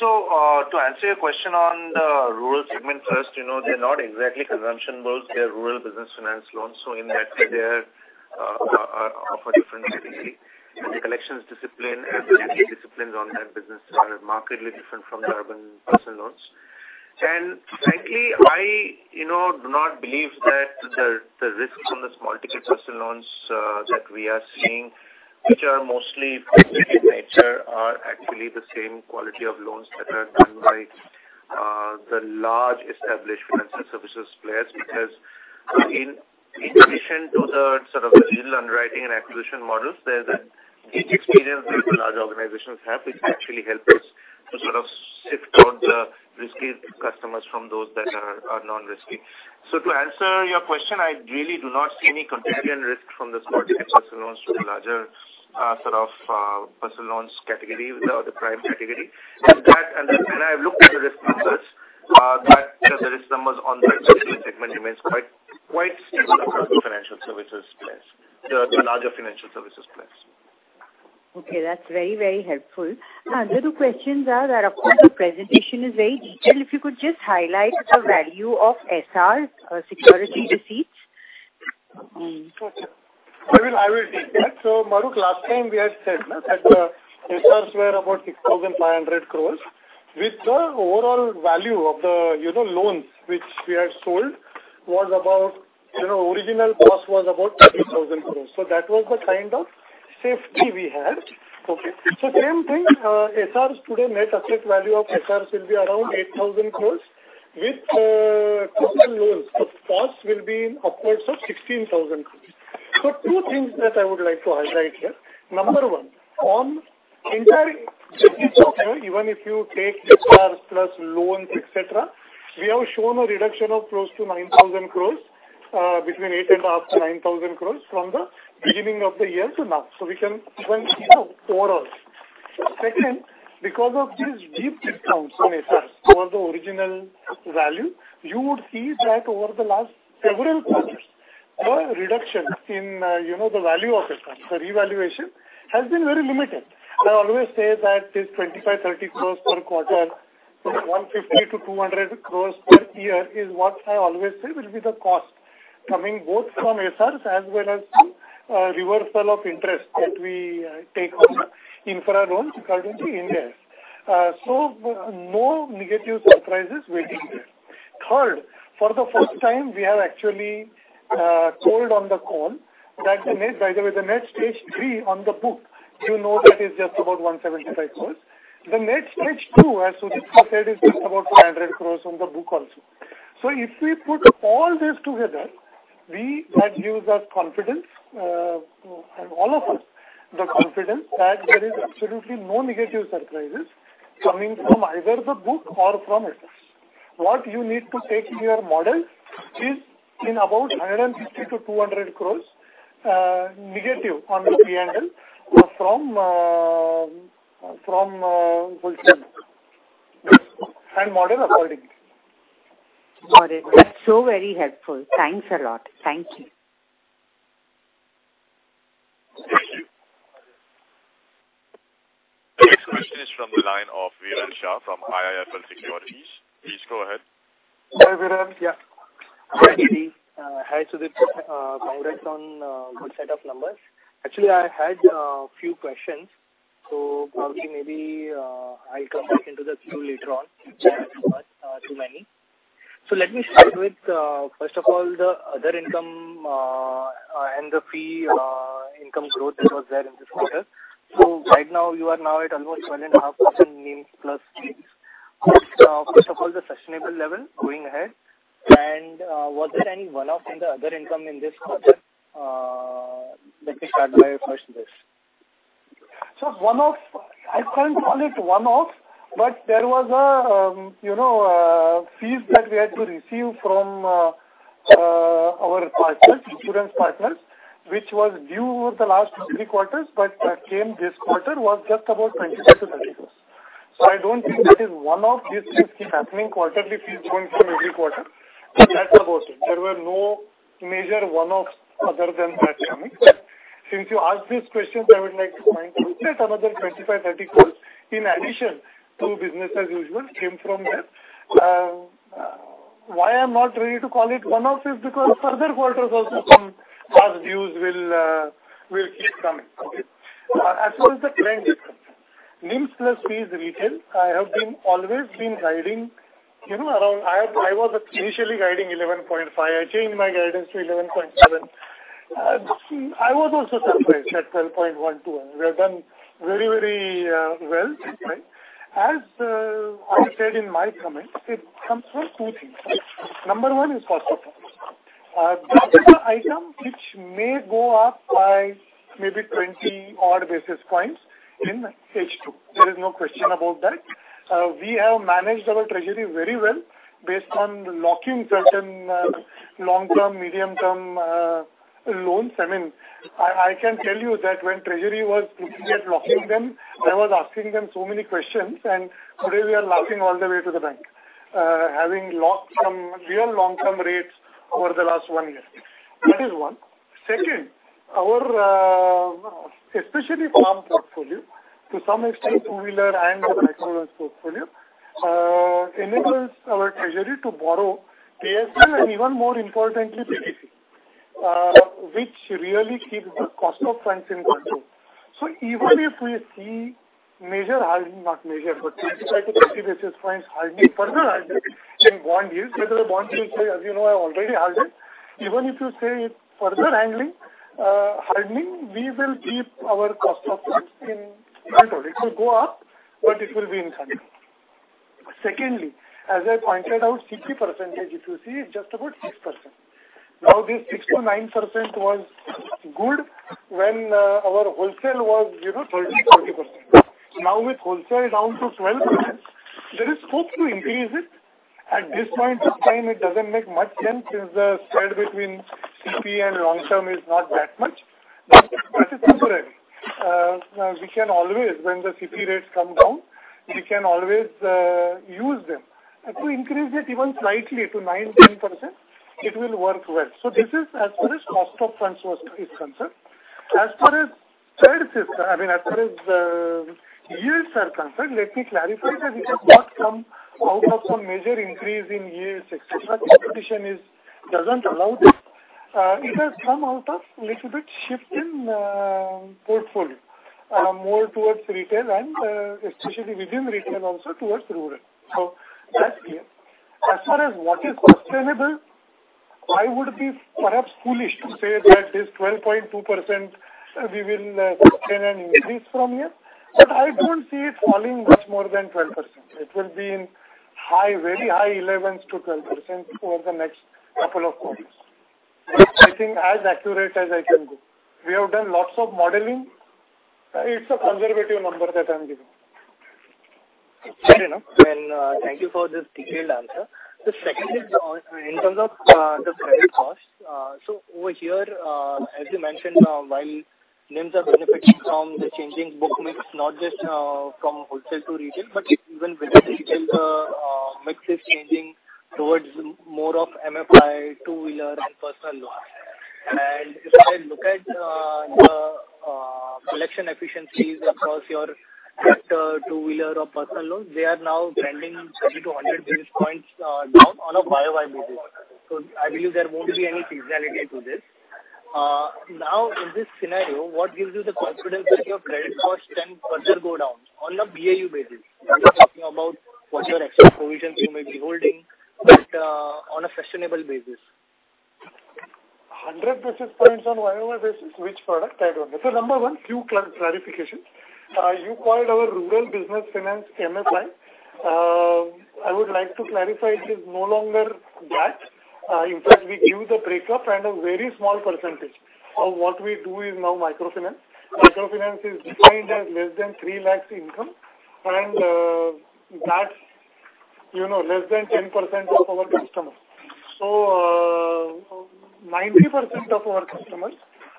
Yeah. So, to answer your question on the Rural Business Finance segment first, you know, they're not exactly consumption loans, they're Rural Business Finance loans. So in that way, they're different really. And the collections discipline and disciplines on that business are markedly different from the urban Personal Loans. And frankly, I, you know, do not believe that the risks on the small ticket Personal Loans that we are seeing, which are mostly in nature, are actually the same quality of loans that are done by the large established financial services players. Because in addition to the sort of digital underwriting and acquisition models, there's a rich experience with large organizations have, which actually help us to sort of sift out the risky customers from those that are non-risky. So to answer your question, I really do not see any contagion risk from the small ticket personal loans to the larger, sort of, personal loans category or the prime category. And I've looked at the risk numbers, that the risk numbers on that segment remains quite, quite stable across the financial services players, the larger financial services players. Okay, that's very, very helpful. The other two questions are that, of course, the presentation is very detailed. If you could just highlight the value of SR, security receipts. I will take that. So, Mahrukh, last time we had said that the SRs were about 6,500 crore, with the overall value of the, you know, loans which we had sold was about, you know, original cost was about 30,000 crore. So that was the kind of safety we had. Okay? So same thing, SRs today, net asset value of SRs will be around 8,000 crore, with, total loans. The cost will be upwards of 16,000 crore. So two things that I would like to highlight here. Number one, on entire, even if you take SRs plus loans, et cetera, we have shown a reduction of close to 9,000 crore, between 8,500-9,000 crore from the beginning of the year to now. So we can even see the overall. Second, because of these deep discounts in SRs over the original value, you would see that over the last several quarters, the reduction in, you know, the value of SR, the revaluation has been very limited. I always say that this 25-30 crore per quarter, 150-200 crore per year, is what I always say will be the cost, coming both from SRs as well as reversal of interest that we take on infra loans according to India. No negative surprises waiting. Third, for the first time, we have actually told on the call that the net, by the way, the net stage three on the book, you know, that is just about 175 crore. The net stage two, as Sudipta has said, is just about 400 crore on the book also. So if we put all this together, we that gives us confidence, and all of us, the confidence that there is absolutely no negative surprises coming from either the book or from it. What you need to take in your model is in about 150 crore-200 crore, negative on the PNL from, from, wholesale. And model accordingly. Got it. That's so very helpful. Thanks a lot. Thank you. Thank you. The next question is from the line of Rikin Shah from IIFL Securities. Please go ahead. Hi, Rikin. Yeah. Hi, Sudipta. Congrats on good set of numbers. Actually, I had a few questions, so probably, maybe, I'll come back into the queue later on, too many. So let me start with first of all, the other income and the fee income growth that was there in this quarter. So right now, you are now at almost 12.5% NIM plus fees. First of all, the sustainable level going ahead, and was there any one-off in the other income in this quarter? Let me start by asking this. So one-off, I can't call it one-off, but there was a, you know, fees that we had to receive from, our partners, insurance partners, which was due over the last three quarters, but that came this quarter, was just about 25-34. So I don't think that is one of these things keep happening quarterly. Fees don't come every quarter. So that's about it. There were no major one-offs other than that coming. Since you asked this question, I would like to point out that another 25-34, in addition to business as usual, came from there. Why I'm not ready to call it one-off is because further quarters also some past dues will, will keep coming. Okay? As far as the trend is concerned, NIMs plus fees retail, I have always been guiding, you know, around—I was initially guiding 11.5. I changed my guidance to 11.7. I was also surprised at 12.12, and we have done very, very well, right? As I said in my comments, it comes from two things. Number one is cost of funds. The other item, which may go up by maybe 20 odd basis points in H2. There is no question about that. We have managed our treasury very well based on locking certain long-term, medium-term loans. I mean, I can tell you that when treasury was looking at locking them, I was asking them so many questions, and today we are laughing all the way to the bank, having locked some real long-term rates over the last one year. That is one. Second, our especially farm portfolio, to some extent, two-wheeler and other excellence portfolio, enables our treasury to borrow ASA, and even more importantly, PDC, which really keeps the cost of funds in control. So even if we see major hardening, not major, but 25-50 basis points hardening, further hardening in bond yields, whether the bonds will say, as you know, I already hardened. Even if you say it further angling, hardening, we will keep our cost of funds in control. It will go up, but it will be in control. Secondly, as I pointed out, CP percentage, if you see, is just about 6%. Now, this 6%-9% was good when, our wholesale was, you know, 30, 40%. Now, with wholesale down to 12%, there is hope to increase it. At this point of time, it doesn't make much sense since the spread between CP and long-term is not that much. But that is temporary. We can always, when the CP rates come down, we can always, use them. To increase it even slightly to 9, 10%, it will work well. So this is as far as cost of funds was, is concerned. As far as trades is, I mean, as far as, yields are concerned, let me clarify that we have not come out of some major increase in yields, et cetera. Competition is, doesn't allow this. It has come out of little bit shift in portfolio, more towards retail and, especially within retail, also towards rural. So that's clear. As far as what is sustainable, I would be perhaps foolish to say that this 12.2%, we will sustain and increase from here, but I don't see it falling much more than 12%. It will be in high, very high elevens to 12% over the next couple of quarters. That's, I think, as accurate as I can go. We have done lots of modeling. It's a conservative number that I'm giving. Fair enough. Then, thank you for this detailed answer. The second is, in terms of, the credit costs. So over here, as you mentioned, while NIMs are benefiting from the changing book mix, not just, from wholesale to retail, but even within retail, the mix is changing towards more of MFI, two-wheeler and personal loans. And if I look at, the collection efficiencies across your tractor, two-wheeler or personal loans, they are now trending 70-100 basis points, down on a YOY basis. So I believe there won't be any seasonality to this. Now, in this scenario, what gives you the confidence that your credit costs can further go down on a BAU basis? I'm not talking about what your extra provisions you may be holding, but, on a sustainable basis. Hundred basis points on year-over-year basis, which product? I don't get. Number one, few clarifications. You called our Rural Business Finance MFI. I would like to clarify it is no longer that. In fact, we give the breakup and a very small percentage of what we do is now microfinance. Microfinance is defined as less than 300,000 income, and, you know, that's less than 10% of our customers. Ninety percent of our customers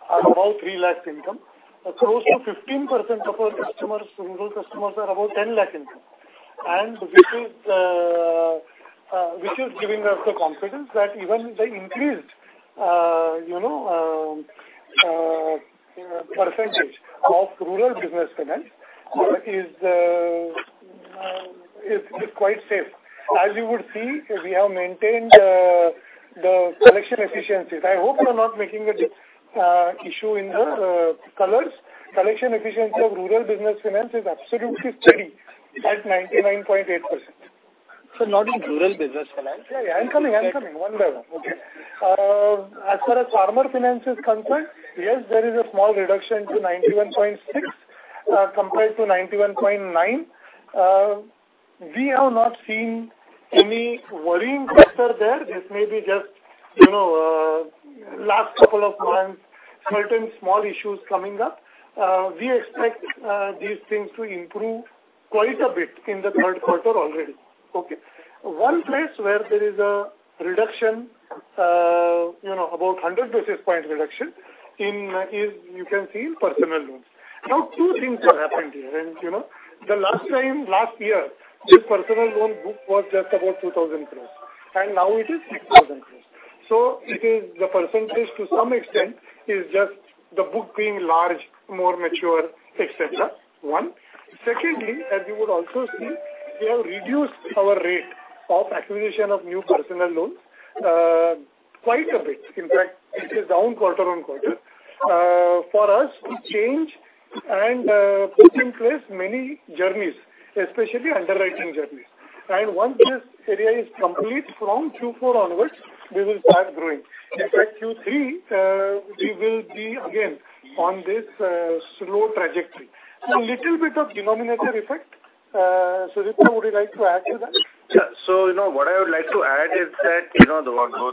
are above 300,000 income. Close to 15% of our rural customers are above INR 1,000,000 income. This is giving us the confidence that even the increased, you know, percentage of Rural Business Finance is quite safe. As you would see, we have maintained the collection efficiencies. I hope you are not making a issue in the colors. Collection efficiency of Rural Business Finance is absolutely steady at 99.8%. So not in Rural Business Finance. Yeah, I'm coming, I'm coming. One by one. Okay. As far as farmer finance is concerned, yes, there is a small reduction to 91.6, compared to 91.9. We have not seen any worrying factor there. This may be just, you know, last couple of months, certain small issues coming up. We expect these things to improve quite a bit in the third quarter already. Okay? One place where there is a reduction, you know, about 100 basis point reduction in, is you can see in personal loans. Now, two things have happened here, and, you know, the last time, last year, this personal loan book was just about 2,000 crore, and now it is 6,000 crore. So it is the percentage to some extent, is just the book being large, more mature, et cetera, one. Secondly, as you would also see, we have reduced our rate of acquisition of new personal loans, quite a bit. In fact, it is down quarter-on-quarter. For us, to change and put in place many journeys, especially underwriting journeys. And once this area is complete from Q4 onwards, we will start growing. In fact, Q3, we will be again on this slow trajectory. A little bit of denominator effect. Sudipta, would you like to add to that? Yeah. So, you know, what I would like to add is that, you know,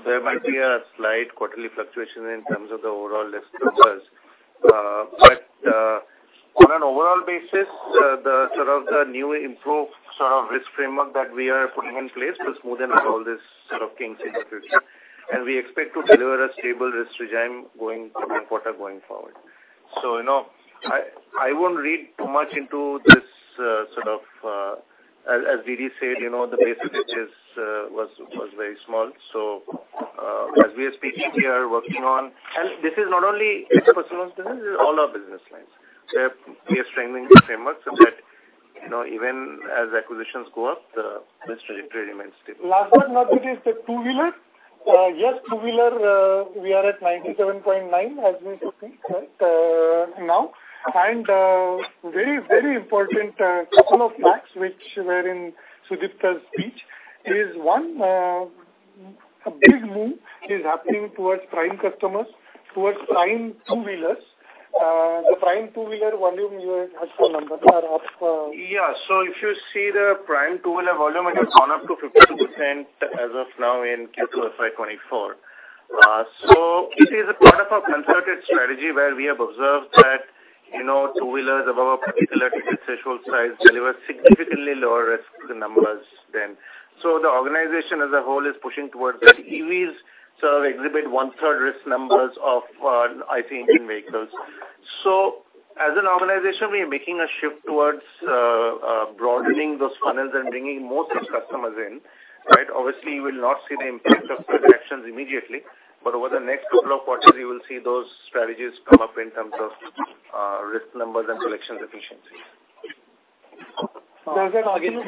there might be a slight quarterly fluctuation in terms of the overall disclosures. But, on an overall basis, the sort of the new improved sort of risk framework that we are putting in place to smoothen out all this sort of kinks in the system. And we expect to deliver a stable risk regime going, per quarter going forward. So, you know, I, I won't read too much into this, sort of, as, as DD said, you know, the basis which is, was, was very small. So, as we are speaking, we are working on and this is not only personal business, this is all our business lines. We are, we are strengthening the framework so that, you know, even as acquisitions go up, the risk trajectory remains stable. Last but not least, the two-wheeler. Yes, two-wheeler, we are at 97.9, as we are talking, right, now. Very, very important, couple of facts which were in Sudipta's speech is, one, a big move is happening towards prime customers, towards prime two-wheelers. The prime two-wheeler volume you have some numbers are up. Yeah. So if you see the prime two-wheeler volume, it has gone up to 52% as of now in Q2 FY 2024. So this is a part of our concerted strategy, where we have observed that, you know, two-wheelers above a particular ticket threshold size deliver significantly lower risk numbers than. So the organization as a whole is pushing towards that. EVs sort of exhibit one-third risk numbers of ICE engine vehicles. So as an organization, we are making a shift towards broadening those funnels and bringing more such customers in, right? Obviously, you will not see the impact of those actions immediately, but over the next couple of quarters, you will see those strategies come up in terms of risk numbers and collections efficiencies. Does that again-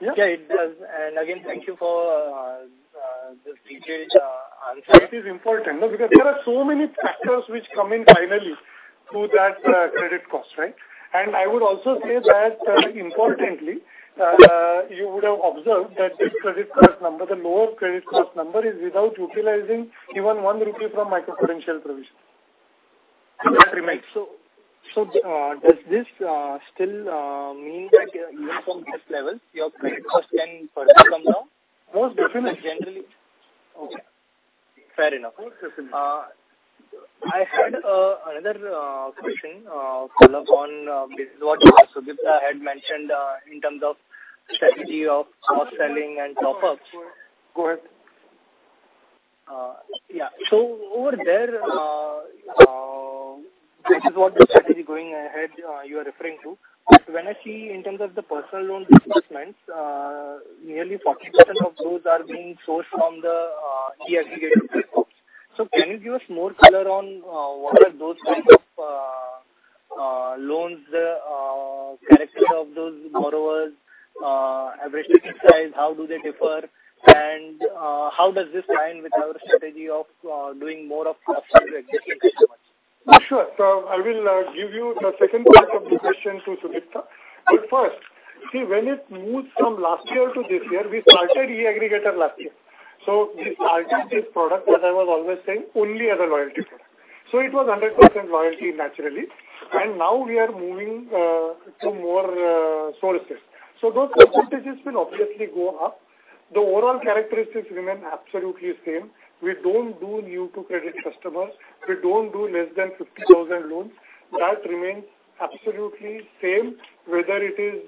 Yeah, it does. And again, thank you for the detailed answer. It is important, no, because there are so many factors which come in finally to that, credit cost, right? And I would also say that, importantly, you would have observed that this credit cost number, the lower credit cost number, is without utilizing even 1 rupee from micro credential provision. That remains. So, does this still mean that even from this level, your credit cost can further come down? Most definitely. Generally. Okay, fair enough. Most definitely. I had another question, follow-up on this is what Sudipta had mentioned, in terms of strategy of cross-selling and top-ups. Go ahead. Yeah. So over there, this is what the strategy going ahead, you are referring to. When I see in terms of the personal loan disbursements, nearly 40% of those are being sourced from the, e-aggregator groups. So can you give us more color on, what are those kinds of, loans, characters of those borrowers, average ticket size? How do they differ? And, how does this align with our strategy of, doing more of up-sell to existing customers? Sure. So I will give you the second part of the question to Sudipta. But first, see, when it moved from last year to this year, we started Account Aggregator last year. So we started this product, as I was always saying, only as a loyalty product. So it was 100% loyalty, naturally, and now we are moving to more sources. So those percentages will obviously go up. The overall characteristics remain absolutely same. We don't do new-to-credit customers. We don't do less than 50,000 loans. That remains absolutely same, whether it is,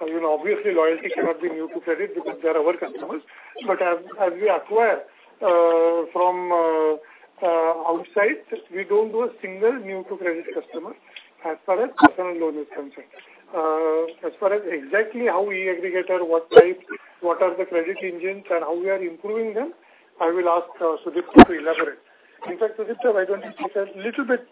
you know, obviously, loyalty cannot be new to credit because they're our customers. But as we acquire from outside, we don't do a single new-to-credit customer as far as personal loan is concerned. As far as exactly how we aggregate or what type, what are the credit engines and how we are improving them, I will ask Sudipta to elaborate. In fact, Sudipta, why don't you take a little bit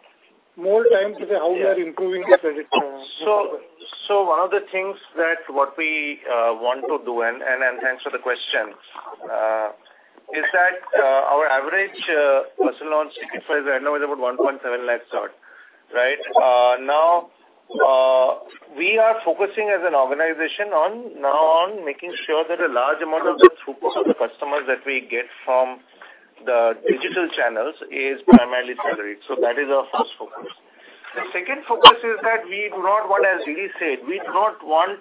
more time to say how we are improving the credit? One of the things that we want to do, and thanks for the question, is that our average personal loan ticket size right now is about 1.7 lakh odd, right? Now, we are focusing as an organization on making sure that a large amount of the throughput of the customers that we get from the digital channels is primarily salaried. That is our first focus. The second focus is that we do not want, as S.D. said, we do not want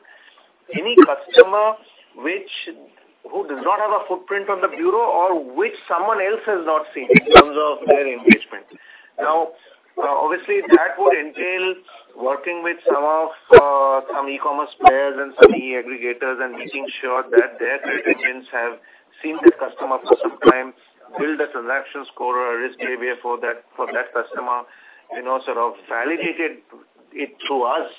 any customer who does not have a footprint on the bureau or who someone else has not seen in terms of their engagement. Now, obviously, that would entail working with some of some e-commerce players and some e-aggregators, and making sure that their credit agents have seen the customer for some time, build a transaction score or a risk behavior for that, for that customer, you know, sort of validated it through us,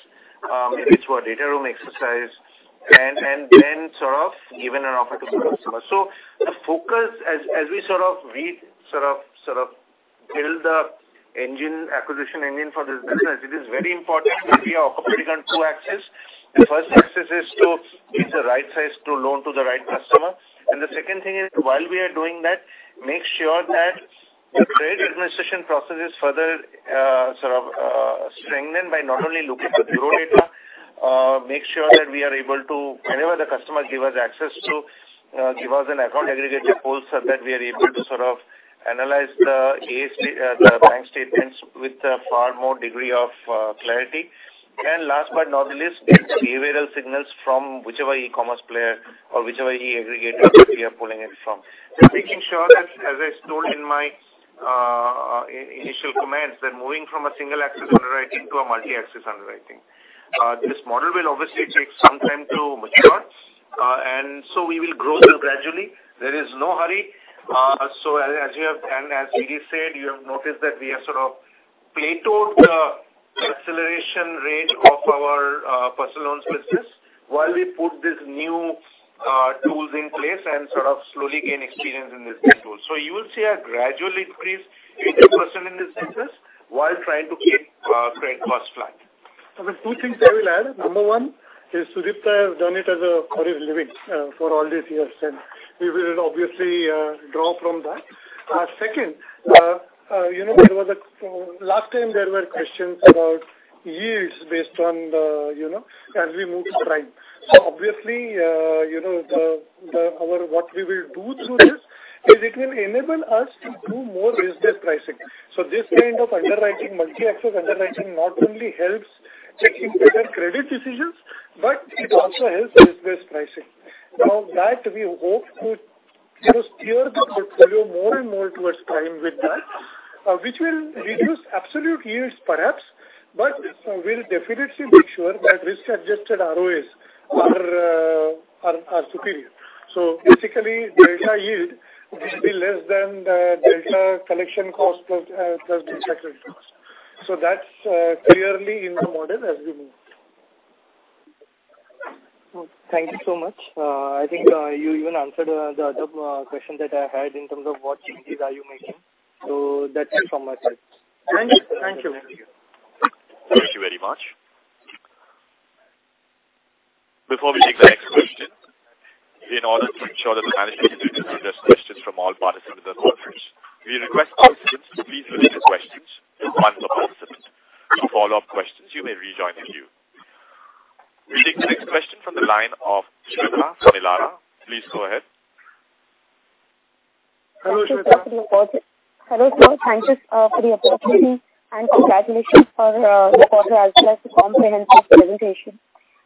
which were data room exercise, and, and then sort of given an offer to the customer. So the focus as, as we sort of read, sort of, sort of build the engine, acquisition engine for this business, it is very important that we are operating on two axes. The first axis is to get the right size to loan to the right customer, and the second thing is, while we are doing that, make sure that the credit administration process is further, sort of, strengthened by not only looking at the bureau data, make sure that we are able to whenever the customer give us access to, give us an Account Aggregator pool, so that we are able to sort of analyze the AS, the bank statements with a far more degree of, clarity. And last but not the least, the behavioral signals from whichever e-commerce player or whichever e-aggregator we are pulling it from. Just making sure that, as I told in my, initial comments, that moving from a single axis underwriting to a multi-axis underwriting. This model will obviously take some time to mature, and so we will grow gradually. There is no hurry. So as, as you have, and as SD said, you have noticed that we have sort of plateaued the acceleration rate of our personal loan business, while we put this new tools in place and sort of slowly gain experience in this new tool. So you will see a gradual increase in personal in this business while trying to keep credit cost flat. There are two things I will add. Number one, is Sudipta has done it as a for his living for all these years, and we will obviously draw from that. Second, you know, there was a last time there were questions about yields based on the, you know, as we move to prime. So obviously, you know, the what we will do through this is it will enable us to do more risk-based pricing. So this kind of underwriting, multi-axis underwriting, not only helps taking better credit decisions, but it also helps risk-based pricing. Now, that we hope to steer the portfolio more and more towards prime with that, which will reduce absolute yields, perhaps, but will definitely make sure that risk-adjusted ROAs are superior. So basically, delta yield will be less than the delta collection cost plus interest rate. So that's clearly in the model as we move. Thank you so much. I think you even answered the other question that I had in terms of what changes are you making. So that's it from my side. Thank you. Thank you. Thank you very much. Before we take the next question, in order to ensure that the management can address questions from all participants and partners, we request participants to please limit questions to one per participant. For follow-up questions, you may rejoin the queue. We take the next question from the line of Shweta Daptardar from Elara Capital. Please go ahead. Hello, Shweta. Hello, sir. Thank you for the opportunity and congratulations for the comprehensive presentation.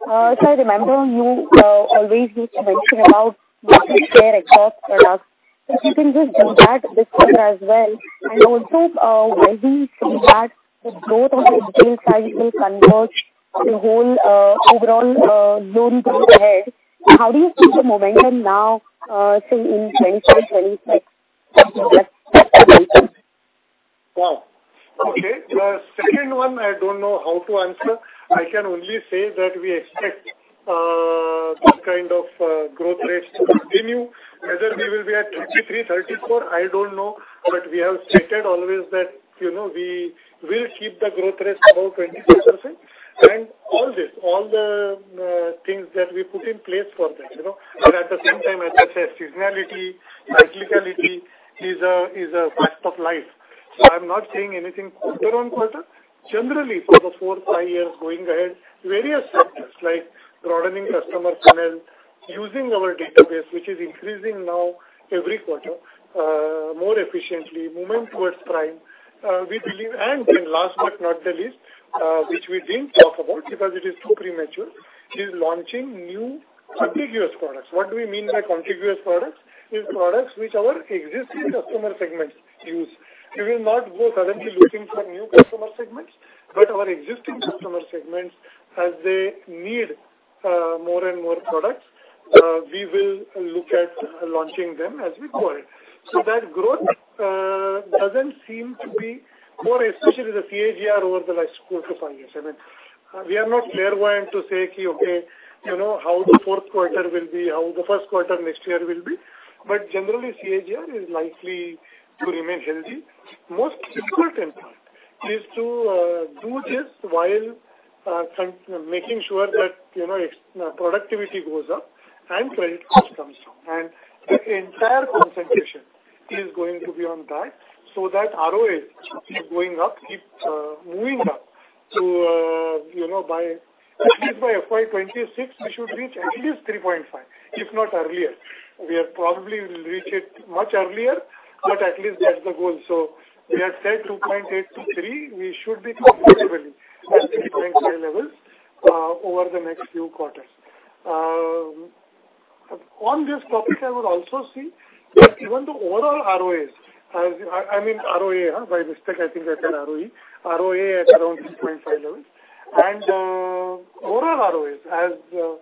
So I remember you always used to mention about market share exhaust products. If you can just jump at this point as well, and also, where we see that the growth on the retail side will converge the whole overall loan pool ahead. How do you keep the momentum now, say, in 2024, 2025? Wow! Okay. The second one, I don't know how to answer. I can only say that we expect, this kind of, growth rate to continue. Whether we will be at 33, 34, I don't know, but we have stated always that, you know, we will keep the growth rate above 22%. And all this, all the, things that we put in place for that, you know, but at the same time, as I said, seasonality, cyclicality is a, is a fact of life. So I'm not saying anything quarter on quarter. Generally, for the four, five years going ahead, various sectors like broadening customer panel, using our database, which is increasing now every quarter, more efficiently, moving towards prime, we believe. And then last but not the least, which we didn't talk about because it is too premature, is launching new contiguous products. What do we mean by contiguous products? It's products which our existing customer segments use. We will not go suddenly looking for new customer segments, but our existing customer segments, as they need, more and more products, we will look at launching them as we go ahead. So that growth doesn't seem to be more, especially the CAGR over the last 4-5 years. I mean, we are not clairvoyant to say, okay, you know, how the fourth quarter will be, how the first quarter next year will be, but generally, CAGR is likely to remain healthy. Most difficult impact is to do this while making sure that, you know, expense productivity goes up and credit cost comes down. And the entire concentration is going to be on that, so that ROA keeps going up, keeps moving up to. You know, by at least FY 2026, we should reach at least 3.5, if not earlier. We are probably will reach it much earlier, but at least that's the goal. So we have said 2.8-3. We should be comfortably at 3.5 levels over the next few quarters. On this topic, I would also see that even the overall ROAs, I mean, ROA, by mistake, I think I said ROE. ROA at around 6.5 levels. And overall ROAs, as you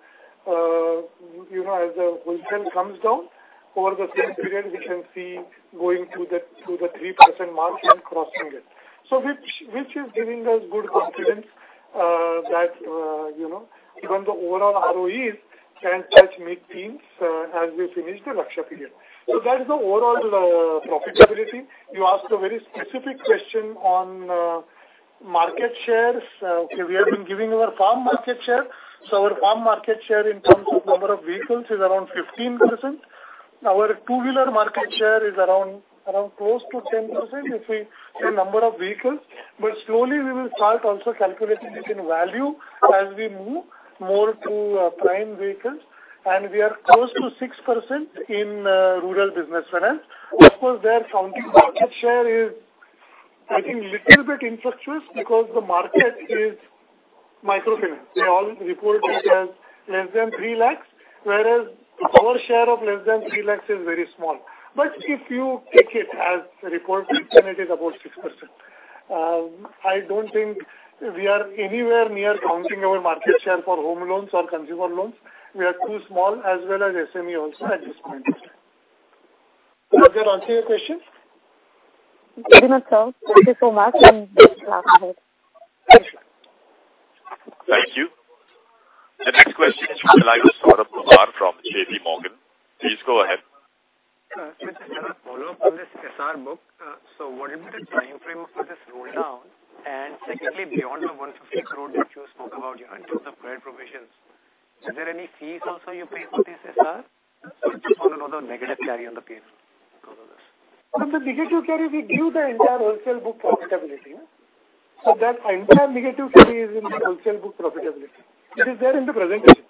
know, as the wholesale comes down over the same period, we can see going through to the 3% mark and crossing it. So which is giving us good confidence that you know, even the overall ROEs can touch mid-teens as we finish the Lakshya period. That is the overall profitability. You asked a very specific question on market shares. Okay, we have been giving our farm market share. So our farm market share in terms of number of vehicles is around 15%. Our two-wheeler market share is around close to 10%, if we see number of vehicles. But slowly we will start also calculating it in value as we move more to prime vehicles, and we are close to 6% in Rural Business Finance. Of course, their counting market share is, I think, little bit infructuous, because the market is microfinance. They all report it as less than 3 lakhs, whereas our share of less than 3 lakhs is very small. But if you take it as reported, then it is about 6%. I don't think we are anywhere near counting our market share for home loans or consumer loans. We are too small as well as SME also at this point. Does that answer your question? Very much, sir. Thank you so much. Thank you. The next question is from the line of Saurabh Kumar from JPMorgan. Please go ahead. Just a follow-up on this SR book. So what is the time frame for this roll down? And secondly, beyond the 150 crore that you spoke about in terms of credit provisions, is there any fees also you pay for this SR? So I just want to know the negative carry on the fees because of this. From the negative carry, we give the entire wholesale book profitability. So that entire negative carry is in the wholesale book profitability. It is there in the presentation.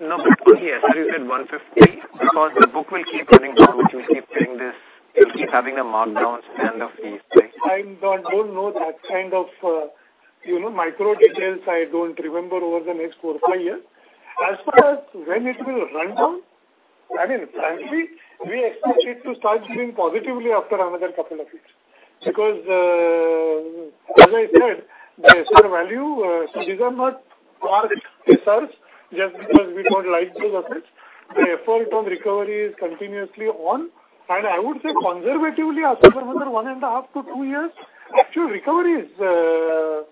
Yeah. Okay. Now, yes, you said 150, because the book will keep running, but we keep getting this, we keep having the markdowns and the fees, right? I don't know that kind of, you know, micro details I don't remember over the next 4-5 years. As far as when it will run down, I mean, frankly, we expect it to start doing positively after another couple of years. Because, as I said, the SR value, these are not parked SRs just because we don't like those assets. The effort on recovery is continuously on, and I would say conservatively, after another 1.5-2 years, actual recoveries will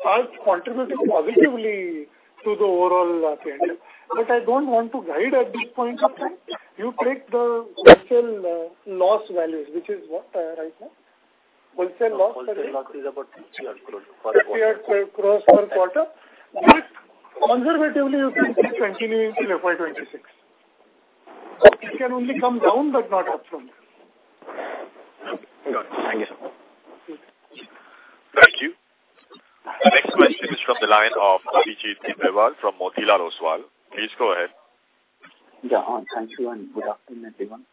start contributing positively to the overall at the end. But I don't want to guide at this point of time. You take the wholesale loss values, which is what right now? Wholesale loss value. Wholesale loss is about 58 crore per quarter. 58 crore per quarter. But conservatively, you can say continuously FY 2026. It can only come down, but not up from there. Okay. Got it. Thank you, sir. Thank you. The next question is from the line of Abhijit Tibrewal from Motilal Oswal. Please go ahead. Yeah. Thank you, and good afternoon, everyone.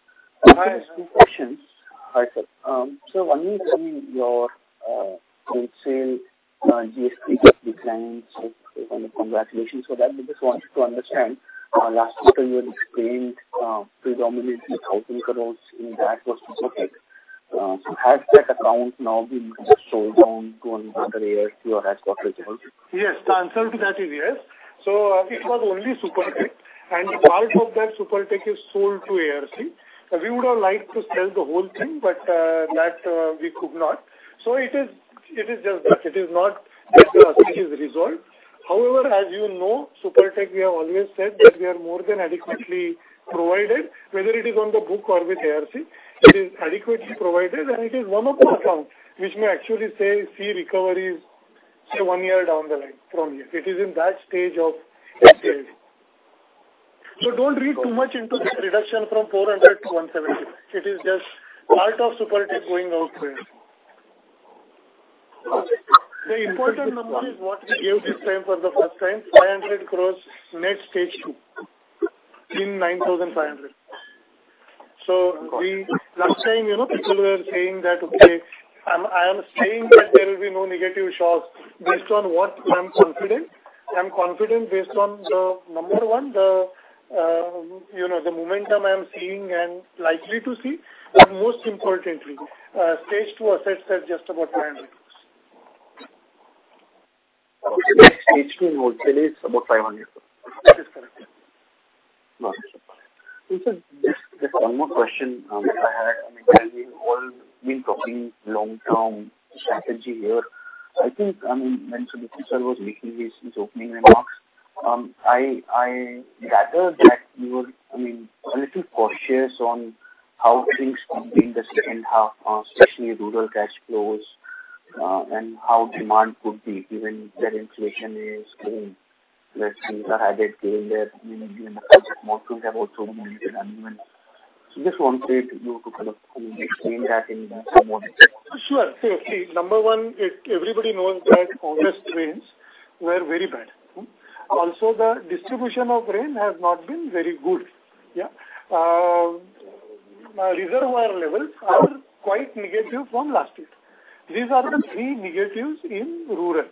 Hi. I have two questions. So one is, I mean, your wholesale GS3 just declined. So kind of congratulations for that. We just wanted to understand, last quarter you had explained, predominantly 1,000 crore in that was Supertech. So has that account now been sold down to another ARC or has got resolved? Yes, the answer to that is yes. So I think it was only Supertech, and part of that Supertech is sold to ARC. We would have liked to sell the whole thing, but that we could not. So it is, it is just that. It is not that the asset is resolved. However, as you know, Supertech, we have always said that we are more than adequately provided, whether it is on the book or with ARC. It is adequately provided, and it is one of the accounts which may actually say, see recoveries, say, one year down the line from here. It is in that stage of recovery. So don't read too much into this reduction from 400 to 170. It is just part of Supertech going out there. The important number is what we gave this time for the first time, 500 crore net Stage 2 in 9,500. So, last time, you know, people were saying that, okay, I am saying that there will be no negative shocks. Based on what I'm confident. I'm confident based on the, number one, the, you know, the momentum I am seeing and likely to see, but most importantly, Stage two assets are just about 500 crore. Stage Two wholesale is about 500 crore. That is correct. Got you. Just one more question I had. I mean, we've all been talking long-term strategy here. I think, I mean, when Sudhir sir was making his opening remarks, I gathered that you were, I mean, a little cautious on how things could be in the second half, especially rural cash flows, and how demand could be given that inflation is going. Let's see, I had it saying that maybe in the budget more tools have also been mentioned, and even- Just one way to kind of explain that in some more detail. Sure. So see, number one, it, everybody knows that August rains were very bad. Also, the distribution of rain has not been very good. Yeah. Reservoir levels are quite negative from last year. These are the three negatives in rural.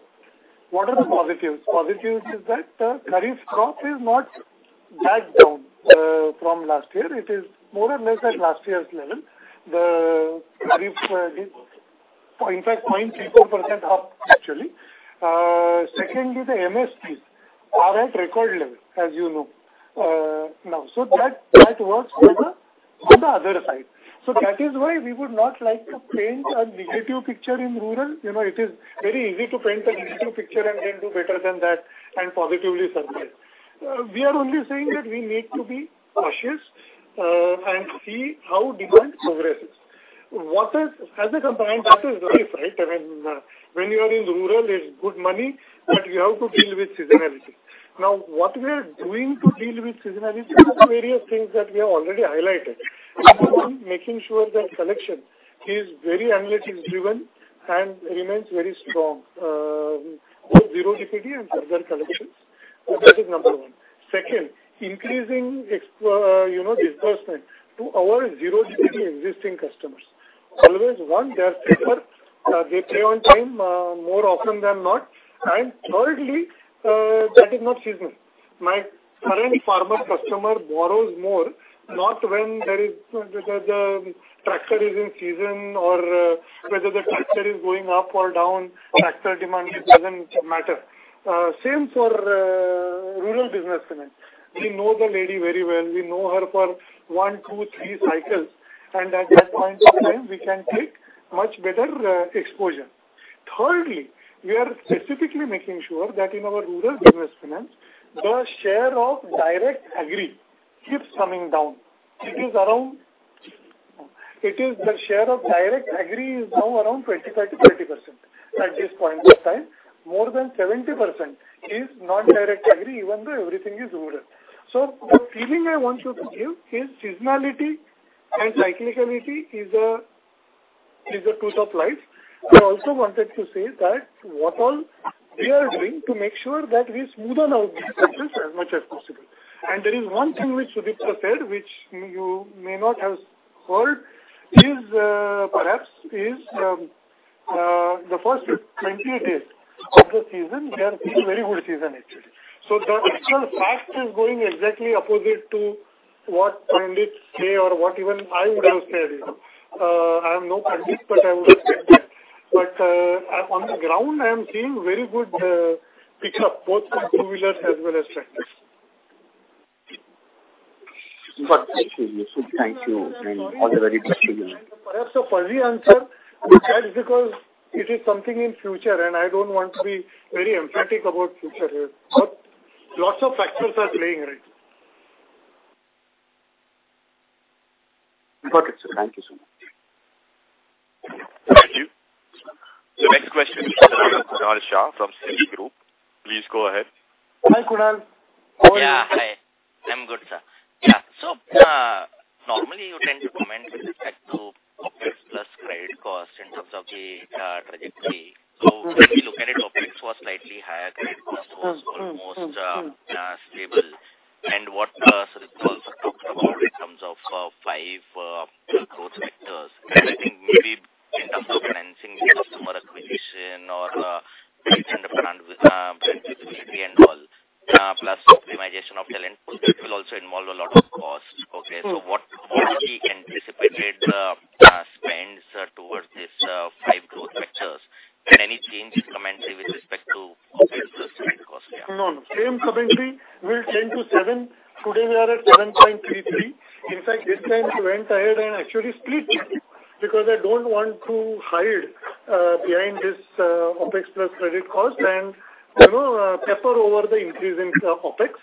What are the positives? Positives is that the Kharif crop is not that down, from last year. It is more or less at last year's level. The Kharif, in fact, 0.32% up, actually. Secondly, the MSPs are at record level, as you know, now. So that, that works on the, on the other side. So that is why we would not like to paint a negative picture in rural. You know, it is very easy to paint a negative picture and then do better than that and positively surprise. We are only saying that we need to be cautious, and see how demand progresses. What is, as a company, that is the risk, right? I mean, when you are in rural, it's good money, but you have to deal with seasonality. Now, what we are doing to deal with seasonality are various things that we have already highlighted. Number one, making sure that collection is very analytics driven and remains very strong, both zero DPD and further collections. So that is number one. Second, increasing, you know, disbursement to our zero DPD existing customers. Always, one, they are safer, they pay on time, more often than not, and thirdly, that is not seasonal. My current farmer customer borrows more, not when there is the tractor is in season or whether the tractor is going up or down, tractor demand, it doesn't matter. Same for rural business women. We know the lady very well. We know her for one, two, three cycles, and at that point of time, we can take much better exposure. Thirdly, we are specifically making sure that in our rural business finance, the share of direct agri keeps coming down. It is around. It is the share of direct agri is now around 25%-30% at this point of time. More than 70% is non-direct agri, even though everything is rural. So the feeling I want you to give is seasonality and cyclicality is a truth of life. I also wanted to say that what all we are doing to make sure that we smoothen out these cycles as much as possible. And there is one thing which Sudipta said, which you may not have heard, is perhaps the first 20 days of the season, we are seeing very good season actually. So the actual fact is going exactly opposite to what pundits say or what even I would have said. I am no pundit, but I would have said that. But on the ground, I am seeing very good pickup, both from two-wheelers as well as tractors. Got it. Thank you. All are very appreciative. Perhaps a fuzzy answer, but that's because it is something in future, and I don't want to be very emphatic about future here. But lots of factors are playing, right? Got it, sir. Thank you so much. Thank you. So next question is from Kunal Shah from Citi Group. Please go ahead. Hi, Kunal. How are you? Yeah, hi. I'm good, sir. Yeah, so, normally, you tend to comment with respect to OpEx plus credit cost in terms of the trajectory. So when we look at it, OpEx was slightly higher, credit cost was almost stable. And what Sudipta also talked about in terms of five growth vectors. And I think maybe in terms of enhancing customer acquisition or brand brand visibility and all plus optimization of talent pool, it will also involve a lot of costs. Okay, so what would be anticipated spends towards this five growth vectors? And any change in commentary with respect to OpEx plus credit cost? No, no. Same commentary, we'll tend to seven. Today, we are at 7.33. In fact, this time we went ahead and actually split, because I don't want to hide behind this OpEx plus credit cost, and, you know, prefer over the increase in OpEx.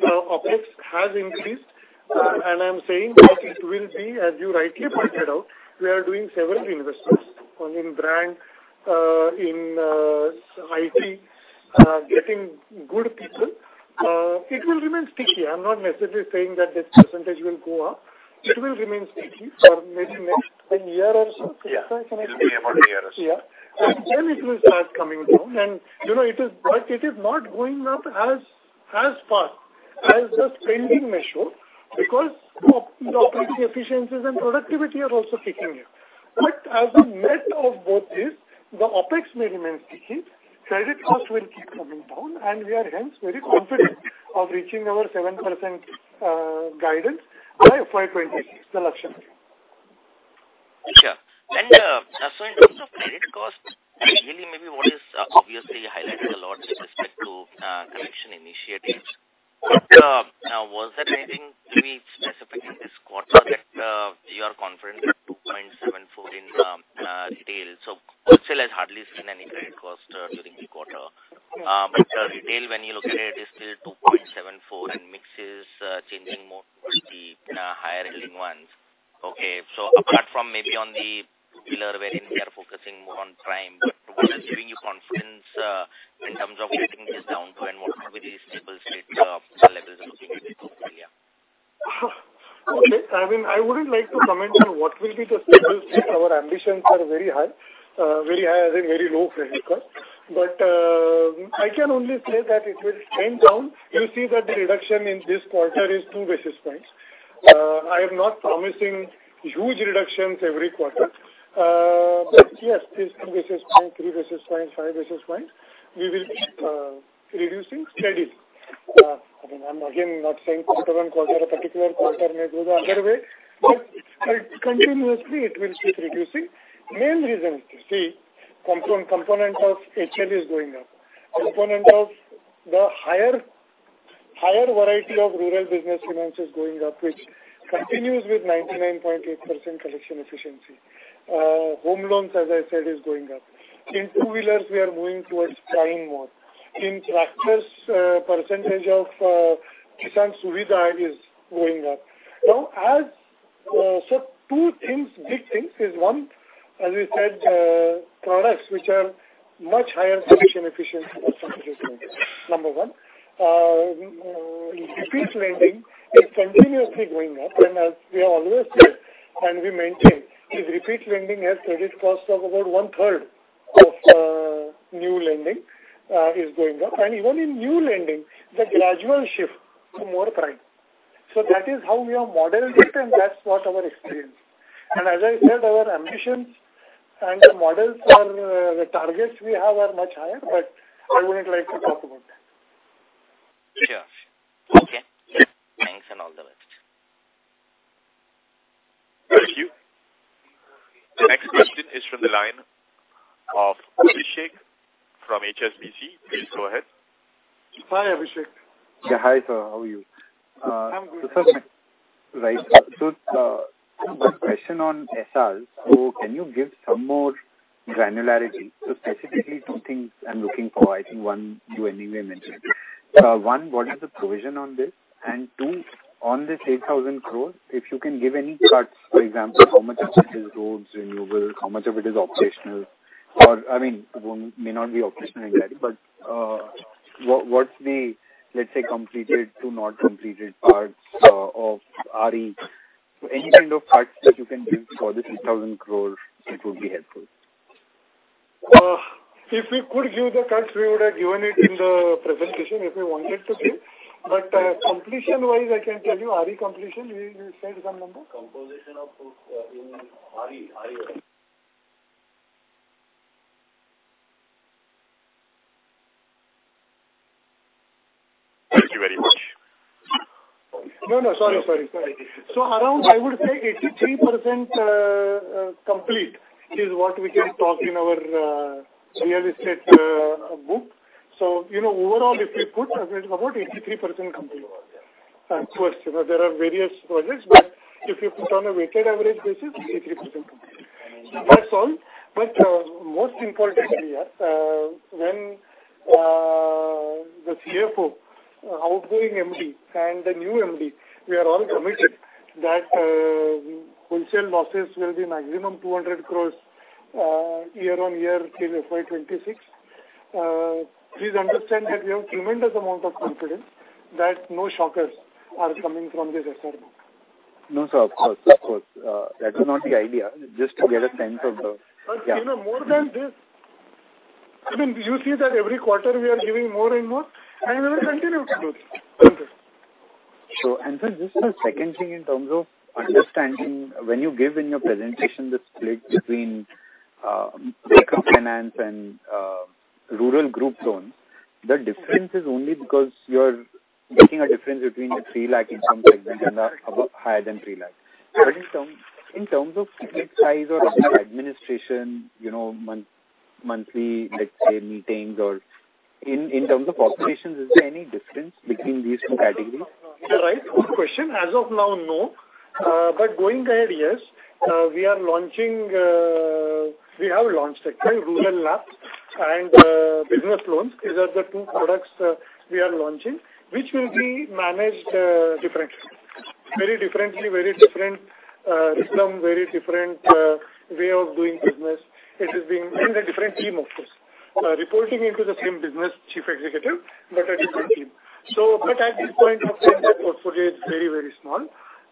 The OpEx has increased, and I'm saying that it will be, as you rightly pointed out, we are doing several investments on in brand, in IT, getting good people. It will remain sticky. I'm not necessarily saying that this percentage will go up. It will remain sticky for maybe next 1 year or so. Yeah. It will be about a year or so. Yeah. And then it will start coming down. And, you know, it is, but it is not going up as fast as the spending measure, because the OpEx efficiencies and productivity are also kicking in. But as a net of both these, the OpEx may remain sticky, credit cost will keep coming down, and we are hence very confident of reaching our 7% guidance by FY 2026, the Lakshya. Okay. And, so in terms of credit cost, really maybe what is, obviously highlighted a lot with respect to, collection initiatives. But, now, was there anything maybe specific in this quarter that, you are confident with 2.74 in, Retail? So Personal has hardly seen any credit cost, during the quarter. But, Retail, when you look at it, is still 2.74, and mix is, changing more towards the, higher yielding ones. Okay, so apart from maybe on the wherein we are focusing more on prime. But what is giving you confidence, in terms of getting this down to and what will be the stable state, levels of India? Okay. I mean, I wouldn't like to comment on what will be the stable state. Our ambitions are very high, very high and very low credit card. But, I can only say that it will trend down. You see that the reduction in this quarter is two basis points. I am not promising huge reductions every quarter. But yes, this two basis point, three basis points, five basis points, we will keep reducing steady. I mean, I'm again, not saying quarter on quarter, a particular quarter may go the other way, but continuously it will keep reducing. Main reasons, you see, component, component of HL is going up. Component of the higher, higher variety of rural business finance is going up, which continues with 99.8% collection efficiency. Home loans, as I said, is going up. In two-wheelers, we are moving towards prime more. In tractors, percentage of Kisan Suvidha is going up. Now, as. So two things, big things is, one, as we said, products which are much higher collection efficient or contribution, number one. Repeat lending is continuously going up, and as we have always said, and we maintain, is repeat lending has credit costs of about one-third of new lending is going up. And even in new lending, the gradual shift to more prime. So that is how we have modeled it, and that's what our experience. And as I said, our ambitions and the models or the targets we have are much higher, but I wouldn't like to talk about that. Sure. Okay. Thanks, and all the best. Thank you. The next question is from the line of Abhishek from HSBC. Please go ahead. Hi, Abhishek. Hi, sir. How are you? I'm good. Right. So, the question on SR. So can you give some more granularity? So specifically, two things I'm looking for, I think one you anyway mentioned. One, what is the provision on this? And two, on this 8,000 crore, if you can give any cuts, for example, how much of it is roads, renewable, how much of it is operational? Or, I mean, may not be operational in that, but, what, what's the, let's say, completed to not completed parts, of RE? Any kind of cuts that you can give for this 8,000 crore, it would be helpful. If we could give the cuts, we would have given it in the presentation if we wanted to give. But, completion-wise, I can tell you, RE completion, you said some number? Completion of those, in RE, RE. Thank you very much. No, no. Sorry, sorry, sorry. So around, I would say 83%, complete is what we can talk in our real estate book. So, you know, overall, if we put, about 83% complete. Of course, you know, there are various projects, but if you put on a weighted average basis, 83% complete. That's all. But, most importantly, when the CFO, outgoing MD, and the new MD, we are all committed that wholesale losses will be maximum 200 crore year-on-year till FY 2026. Please understand that we have tremendous amount of confidence that no shockers are coming from this SR book. No, sir, of course. Of course. That is not the idea. Just to get a sense of the- But you know, more than this, I mean, you see that every quarter we are giving more and more, and we will continue to do this. Sure. And sir, just the second thing in terms of understanding, when you give in your presentation the split between vehicle finance and rural group loans, the difference is only because you're making a difference between the 3 lakh income segment and the above higher than 3 lakhs. But in terms of ticket size or administration, you know, monthly, let's say, meetings or in terms of populations, is there any difference between these two categories? You're right. Good question. As of now, no. But going ahead, yes. We are launching. We have launched actually, Rural LAP and business loans. These are the two products we are launching, which will be managed differently. Very differently, very different rhythm, very different way of doing business. It is being in a different team, of course. Reporting into the same business chief executive, but a different team. So, but at this point of time, the portfolio is very, very small.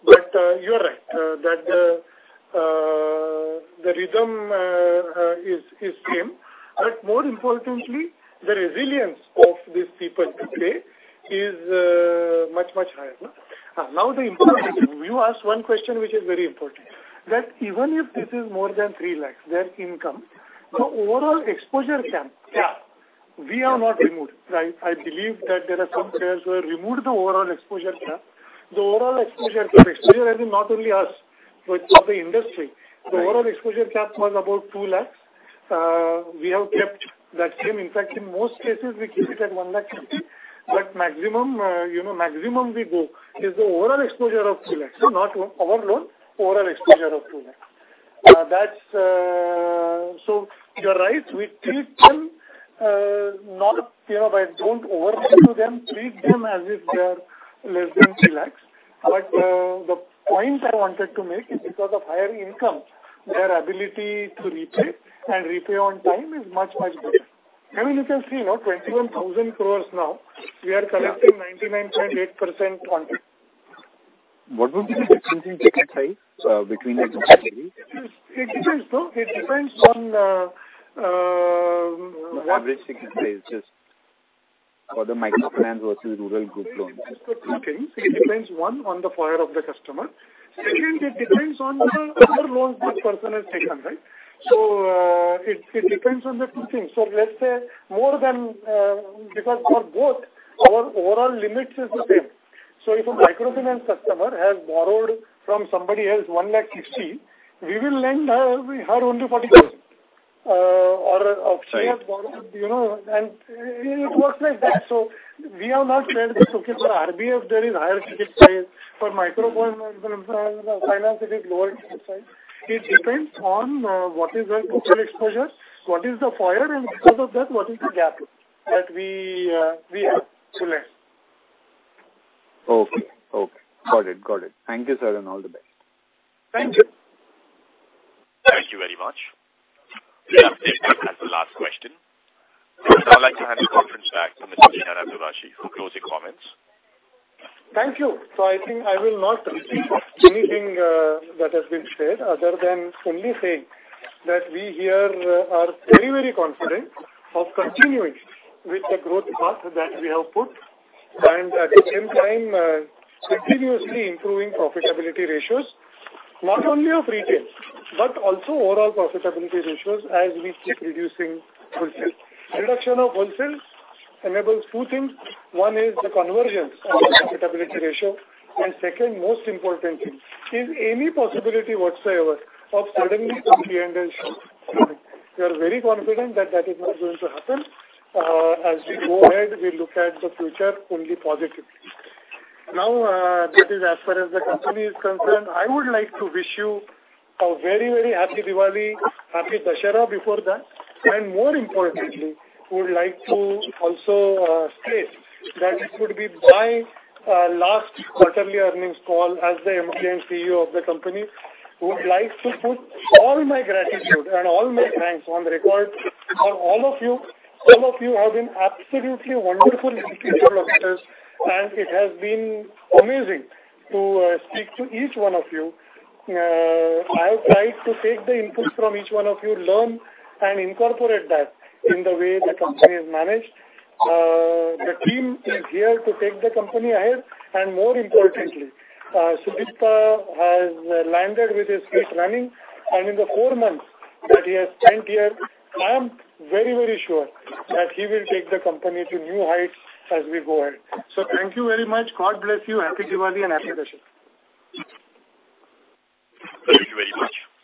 But you are right that the rhythm is same. But more importantly, the resilience of these people today is much, much higher, no? Now, the important thing. You asked one question, which is very important, that even if this is more than 3 lakhs, their income, the overall exposure cap, yeah, we have not removed. I believe that there are some players who have removed the overall exposure cap. The overall exposure cap, exposure, I mean, not only us, but of the industry. The overall exposure cap was about 2 lakhs. We have kept that same. In fact, in most cases, we keep it at 1 lakh fifty. But maximum, you know, maximum we go is the overall exposure of 2 lakhs, so not our loan, overall exposure of 2 lakhs. That's, So you're right, we treat them, not, you know, by don't overdo to them, treat them as if they are less than relaxed. But, the point I wanted to make is because of higher income, their ability to repay and repay on time is much, much better. I mean, you can see now 21,000 crore now, we are collecting 99.8% on. What would be the difference in ticket size between the two? It depends, no. It depends on, what- Average ticket size, just for the microfinance versus rural group loans? It depends, one, on the profile of the customer. Second, it depends on what other loans this person has taken, right? So, it depends on the two things. So let's say more than, because for both, our overall limits is the same. So if a microfinance customer has borrowed from somebody else 150,000, we will lend her only 40,000, or she has borrowed, you know, and it works like that. So we have not said this, okay, for RBF, there is higher ticket size, for microfinance, it is lower ticket size. It depends on what is the total exposure, what is the profile, and because of that, what is the gap that we have to lend. Okay. Okay. Got it. Got it. Thank you, sir, and all the best. Thank you. Thank you very much. That was the last question. I'd like to hand the conference back to Mr. Dinanath Dubhashi for closing comments. Thank you. So I think I will not repeat anything that has been said, other than only saying that we here are very, very confident of continuing with the growth path that we have put, and at the same time, continuously improving profitability ratios, not only of retail, but also overall profitability ratios as we keep reducing wholesale. Reduction of wholesales enables two things. One is the convergence of the profitability ratio, and second, most importantly, is any possibility whatsoever of suddenly ending. We are very confident that that is not going to happen. As we go ahead, we look at the future only positively. Now, that is as far as the company is concerned, I would like to wish you a very, very happy Diwali, happy Dussehra before that, and more importantly, would like to also, state that it would be my, last quarterly earnings call as the MD and CEO of the company. Would like to put all my gratitude and all my thanks on record for all of you. All of you have been absolutely wonderful indicators, and it has been amazing to, speak to each one of you. I have tried to take the inputs from each one of you, learn and incorporate that in the way the company is managed. The team is here to take the company ahead, and more importantly, Sudipta has landed with his feet running, and in the four months that he has spent here, I am very, very sure that he will take the company to new heights as we go ahead. So thank you very much. God bless you. Happy Diwali and Happy Dussehra. Thank you very much.